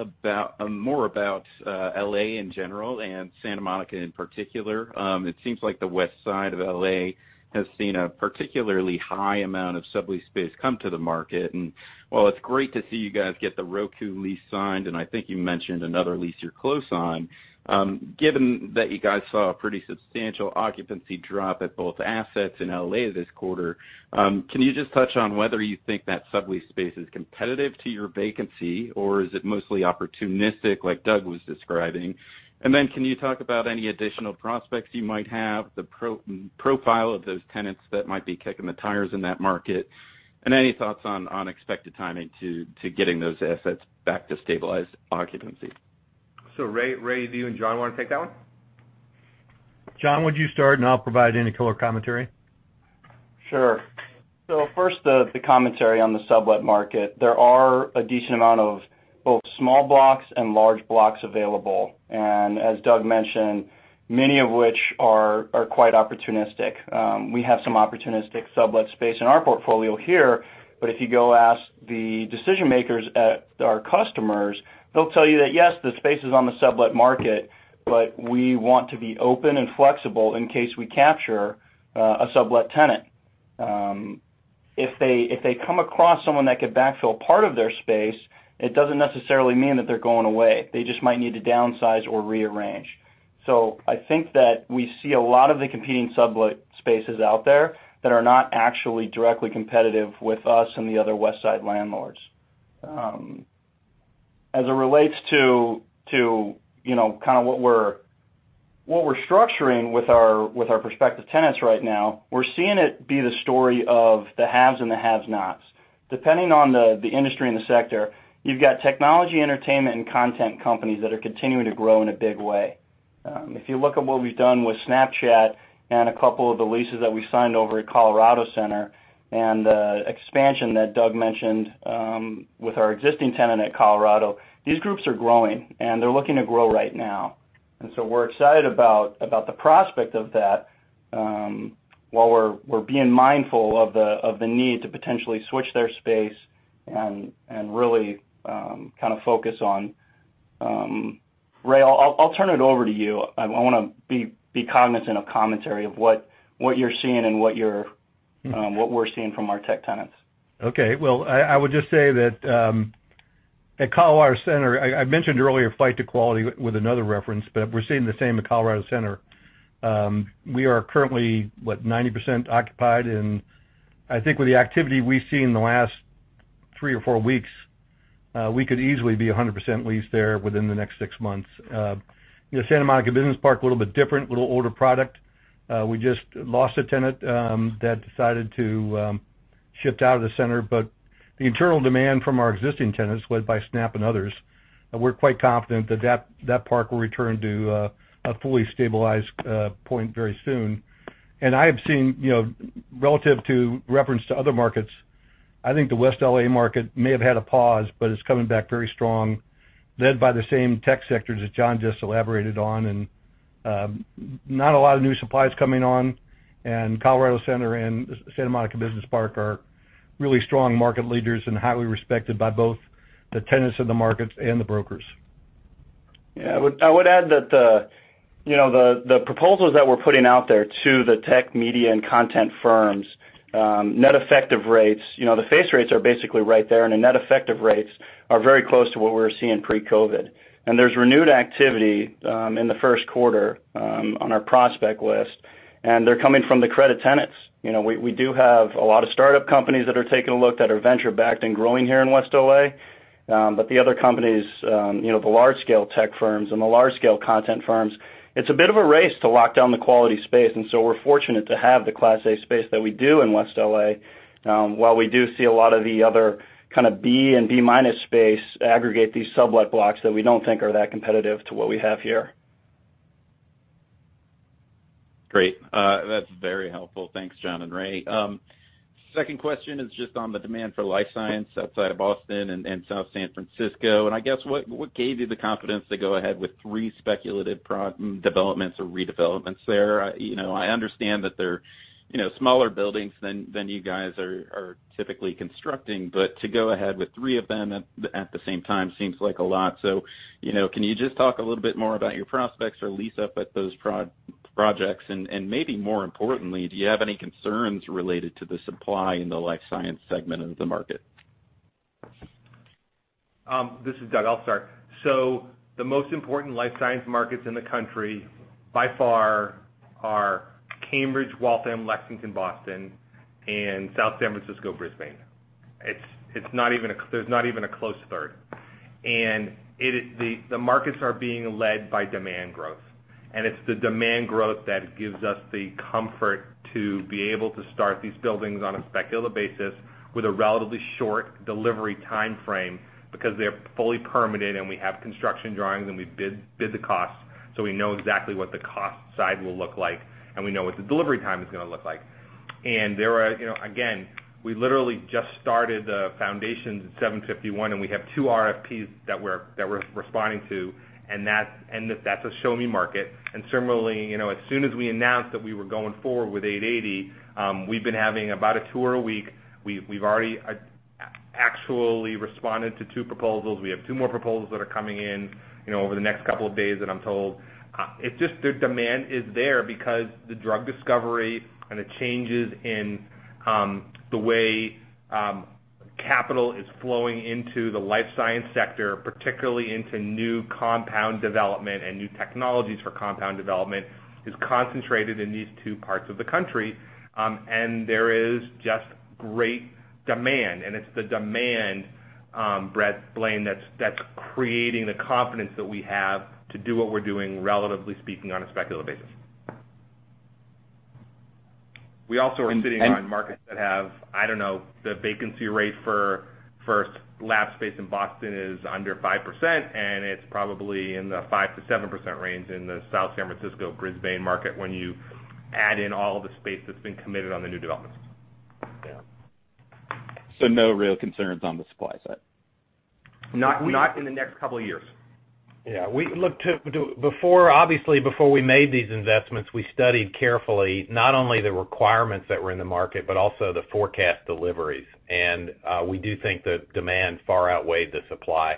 more about L.A. in general and Santa Monica in particular? It seems like the West Side of L.A. has seen a particularly high amount of sublease space come to the market. While it's great to see you guys get the Roku lease signed, and I think you mentioned another lease you're close on, given that you guys saw a pretty substantial occupancy drop at both assets in L.A. this quarter, can you just touch on whether you think that sublease space is competitive to your vacancy, or is it mostly opportunistic like Doug was describing? Then can you talk about any additional prospects you might have, the profile of those tenants that might be kicking the tires in that market, and any thoughts on expected timing to getting those assets back to stabilized occupancy? Ray, do you and John want to take that one? John, would you start, and I'll provide any color commentary? Sure. First, the commentary on the sublet market. There are a decent amount of both small blocks and large blocks available. As Doug mentioned, many of which are quite opportunistic. We have some opportunistic sublet space in our portfolio here, but if you go ask the decision makers at our customers, they'll tell you that, yes, the space is on the sublet market, but we want to be open and flexible in case we capture a sublet tenant. If they come across someone that could backfill part of their space, it doesn't necessarily mean that they're going away. They just might need to downsize or rearrange. I think that we see a lot of the competing sublet spaces out there that are not actually directly competitive with us and the other West Side landlords. As it relates to what we're structuring with our prospective tenants right now, we're seeing it be the story of the haves and the have-nots. Depending on the industry and the sector, you've got technology, entertainment, and content companies that are continuing to grow in a big way. If you look at what we've done with Snapchat and a couple of the leases that we signed over at Colorado Center and the expansion that Doug mentioned with our existing tenant at Colorado, these groups are growing, and they're looking to grow right now. We're excited about the prospect of that, while we're being mindful of the need to potentially switch their space and really focus on Ray, I'll turn it over to you. I want to be cognizant of commentary of what you're seeing and what we're seeing from our tech tenants. Okay. Well, I would just say that at Colorado Center, I mentioned earlier flight to quality with another reference, but we're seeing the same at Colorado Center. We are currently, what, 90% occupied. I think with the activity we've seen in the last three or four weeks, we could easily be 100% leased there within the next six months. Santa Monica Business Park, a little bit different, little older product. We just lost a tenant that decided to shift out of the center. The internal demand from our existing tenants, led by Snap and others, we're quite confident that park will return to a fully stabilized point very soon. I have seen, relative to reference to other markets, I think the West L.A. market may have had a pause, but it's coming back very strong, led by the same tech sectors that John just elaborated on. Not a lot of new supply is coming on. Colorado Center and Santa Monica Business Park are really strong market leaders and highly respected by both the tenants of the markets and the brokers. Yeah. I would add that the proposals that we're putting out there to the tech media and content firms, net effective rates, the face rates are basically right there, and the net effective rates are very close to what we were seeing pre-COVID. There's renewed activity in the first quarter on our prospect list, and they're coming from the credit tenants. We do have a lot of startup companies that are taking a look that are venture-backed and growing here in West L.A. The other companies, the large-scale tech firms and the large-scale content firms, it's a bit of a race to lock down the quality space. We're fortunate to have the Class A space that we do in West L.A., while we do see a lot of the other kind of B and B-minus space aggregate these sublet blocks that we don't think are that competitive to what we have here. Great. That's very helpful. Thanks, John and Ray. Second question is just on the demand for life science outside of Boston and South San Francisco. I guess, what gave you the confidence to go ahead with three speculative developments or redevelopments there? I understand that they're smaller buildings than you guys are typically constructing, to go ahead with three of them at the same time seems like a lot. Can you just talk a little bit more about your prospects for lease-up at those projects, and maybe more importantly, do you have any concerns related to the supply in the life science segment of the market? This is Doug. I'll start. The most important life science markets in the country by far are Cambridge, Waltham, Lexington, Boston, and South San Francisco, Brisbane. There's not even a close third. The markets are being led by demand growth. It's the demand growth that gives us the comfort to be able to start these buildings on a speculative basis with a relatively short delivery timeframe because they're fully permitted, and we have construction drawings, and we bid the costs, so we know exactly what the cost side will look like, and we know what the delivery time is going to look like. There are, again, we literally just started the foundations at 751, and we have two RFPs that we're responding to, and that's a show-me market. Similarly, as soon as we announced that we were going forward with 880, we've been having about a tour a week. We've already actually responded to two proposals. We have two more proposals that are coming in over the next couple of days that I'm told. It's just the demand is there because the drug discovery and the changes in the way capital is flowing into the life science sector, particularly into new compound development and new technologies for compound development, is concentrated in these two parts of the country. There is just great demand. It's the demand, Brent, Blaine, that's creating the confidence that we have to do what we're doing, relatively speaking, on a speculative basis. We also are sitting on markets that have, I don't know, the vacancy rate for lab space in Boston is under 5%, and it's probably in the 5%-7% range in the South San Francisco, Brisbane market when you add in all the space that's been committed on the new developments. Yeah. No real concerns on the supply side? Not in the next couple of years. Yeah. Look, obviously, before we made these investments, we studied carefully not only the requirements that were in the market, but also the forecast deliveries. We do think that demand far outweighed the supply.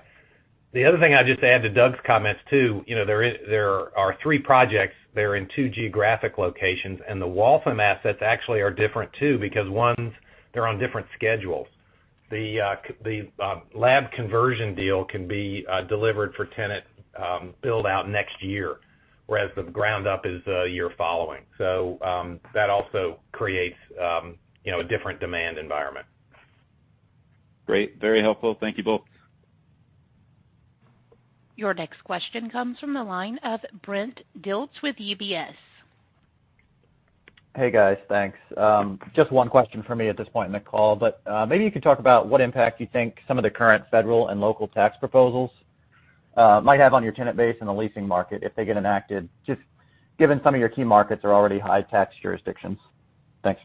The other thing I would just add to Doug's comments, too, there are three projects. They are in two geographic locations. The Waltham assets actually are different, too, because one, they are on different schedules. The lab conversion deal can be delivered for tenant build-out next year. Whereas the ground up is your following. That also creates a different demand environment. Great. Very helpful. Thank you both. Your next question comes from the line of Brent Dilts with UBS. Hey, guys. Thanks. Just one question for me at this point in the call, but maybe you could talk about what impact you think some of the current federal and local tax proposals might have on your tenant base and the leasing market if they get enacted, just given some of your key markets are already high tax jurisdictions. Thanks.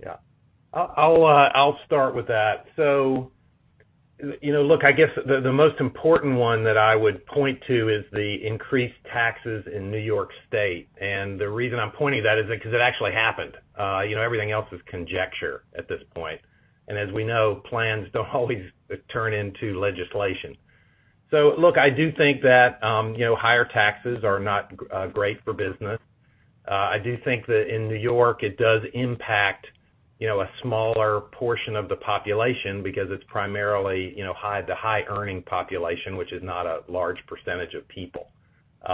Yeah. I'll start with that. Look, I guess the most important one that I would point to is the increased taxes in New York State. The reason I'm pointing to that is because it actually happened. Everything else is conjecture at this point. As we know, plans don't always turn into legislation. Look, I do think that higher taxes are not great for business. I do think that in New York, it does impact a smaller portion of the population because it's primarily, the high-earning population, which is not a large percentage of people. A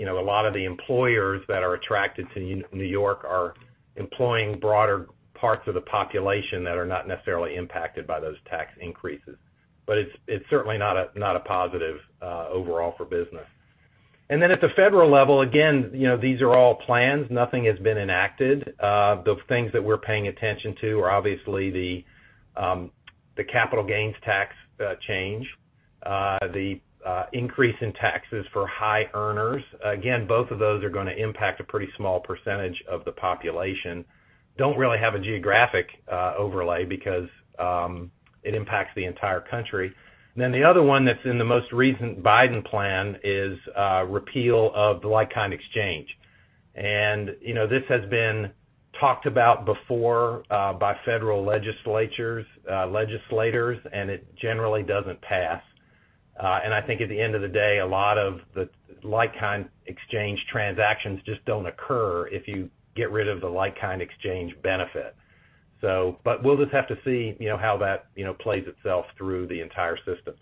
lot of the employers that are attracted to New York are employing broader parts of the population that are not necessarily impacted by those tax increases. It's certainly not a positive, overall, for business. Then at the federal level, again, these are all plans. Nothing has been enacted. The things that we're paying attention to are obviously the capital gains tax change, the increase in taxes for high earners. Both of those are going to impact a pretty small percentage of the population. Don't really have a geographic overlay because it impacts the entire country. The other one that's in the most recent Biden plan is repeal of the like-kind exchange. This has been talked about before by federal legislators, and it generally doesn't pass. I think at the end of the day, a lot of the like-kind exchange transactions just don't occur if you get rid of the like-kind exchange benefit. We'll just have to see how that plays itself through the entire system.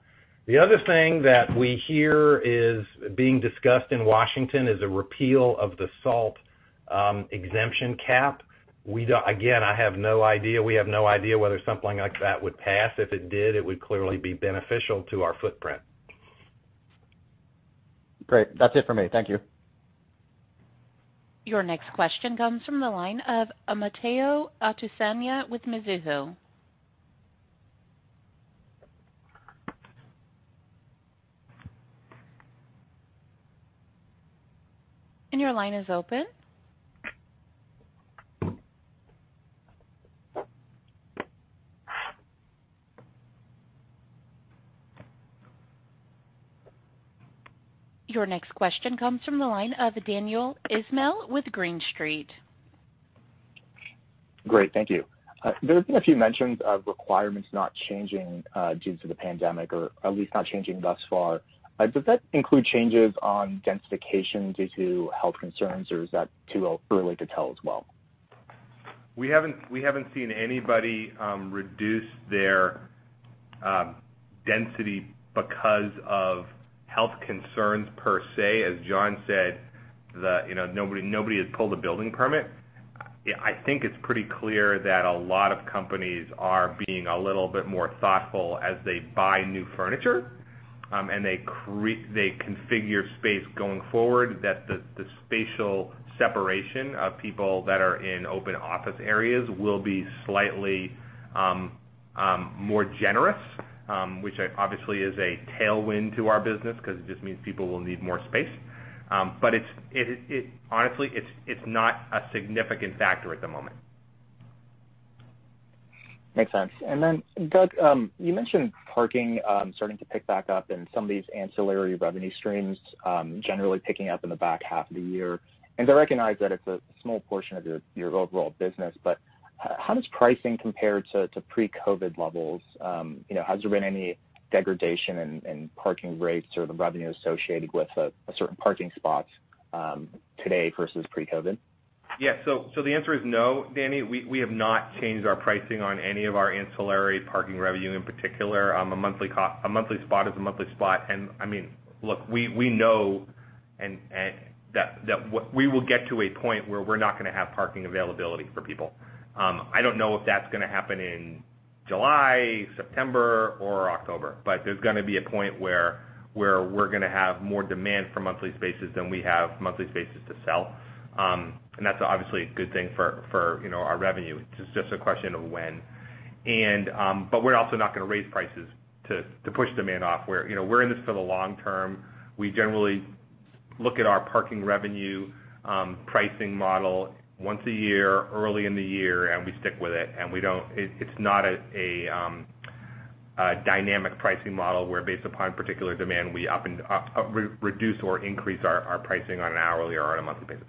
The other thing that we hear is being discussed in Washington is a repeal of the SALT exemption cap. I have no idea, we have no idea whether something like that would pass. If it did, it would clearly be beneficial to our footprint. Great. That's it for me. Thank you. Your next question comes from the line of Omotayo Okusanya with Mizuho. Your line is open. Your next question comes from the line of Daniel Ismail with Green Street. Great, thank you. There's been a few mentions of requirements not changing, due to the pandemic, or at least not changing thus far. Does that include changes on densification due to health concerns, or is that too early to tell as well? We haven't seen anybody reduce their density because of health concerns, per se. As John said, nobody has pulled a building permit. I think it's pretty clear that a lot of companies are being a little bit more thoughtful as they buy new furniture, and they configure space going forward, that the spatial separation of people that are in open office areas will be slightly more generous, which obviously is a tailwind to our business because it just means people will need more space. Honestly, it's not a significant factor at the moment. Makes sense. Doug, you mentioned parking starting to pick back up and some of these ancillary revenue streams generally picking up in the back half of the year. I recognize that it's a small portion of your overall business, how does pricing compare to pre-COVID levels? Has there been any degradation in parking rates or the revenue associated with a certain parking spot today versus pre-COVID? The answer is no, Danny. We have not changed our pricing on any of our ancillary parking revenue, in particular. A monthly spot is a monthly spot. Look, we know that we will get to a point where we're not going to have parking availability for people. I don't know if that's going to happen in July, September, or October, but there's going to be a point where we're going to have more demand for monthly spaces than we have monthly spaces to sell. That's obviously a good thing for our revenue. It's just a question of when. We're also not going to raise prices to push demand off. We're in this for the long term. We generally look at our parking revenue pricing model once a year, early in the year, and we stick with it. It's not a dynamic pricing model where based upon particular demand, we reduce or increase our pricing on an hourly or on a monthly basis.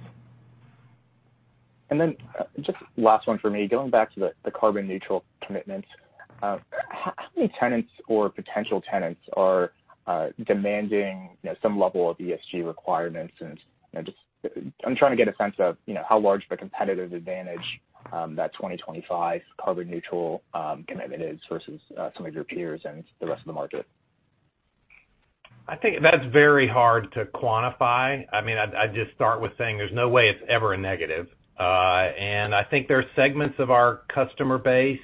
Just last one for me. Going back to the carbon neutral commitments. How many tenants or potential tenants are demanding some level of ESG requirements? Just, I'm trying to get a sense of how large of a competitive advantage that 2025 carbon neutral commitment is versus some of your peers and the rest of the market. I think that's very hard to quantify. I'd just start with saying there's no way it's ever a negative. I think there are segments of our customer base,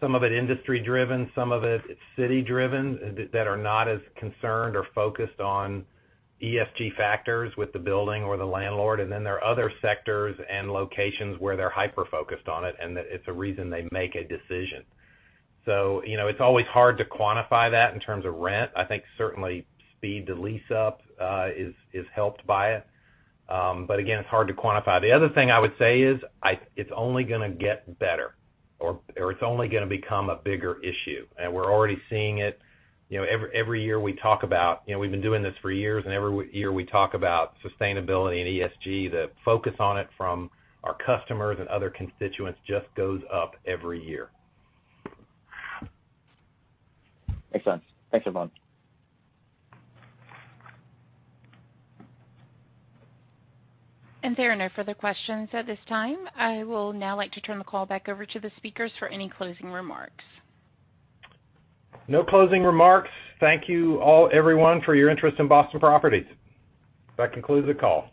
some of it industry driven, some of it city driven, that are not as concerned or focused on ESG factors with the building or the landlord. There are other sectors and locations where they're hyper-focused on it, and that it's a reason they make a decision. It's always hard to quantify that in terms of rent. I think certainly speed to lease up is helped by it. Again, it's hard to quantify. The other thing I would say is, it's only going to get better, or it's only going to become a bigger issue. We're already seeing it. Every year we talk about, we've been doing this for years, and every year we talk about sustainability and ESG, the focus on it from our customers and other constituents just goes up every year. Makes sense. Thanks, everyone. There are no further questions at this time. I will now like to turn the call back over to the speakers for any closing remarks. No closing remarks. Thank you all, everyone, for your interest in Boston Properties. That concludes the call.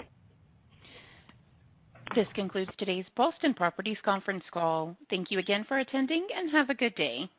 This concludes today's Boston Properties conference call. Thank you again for attending, and have a good day.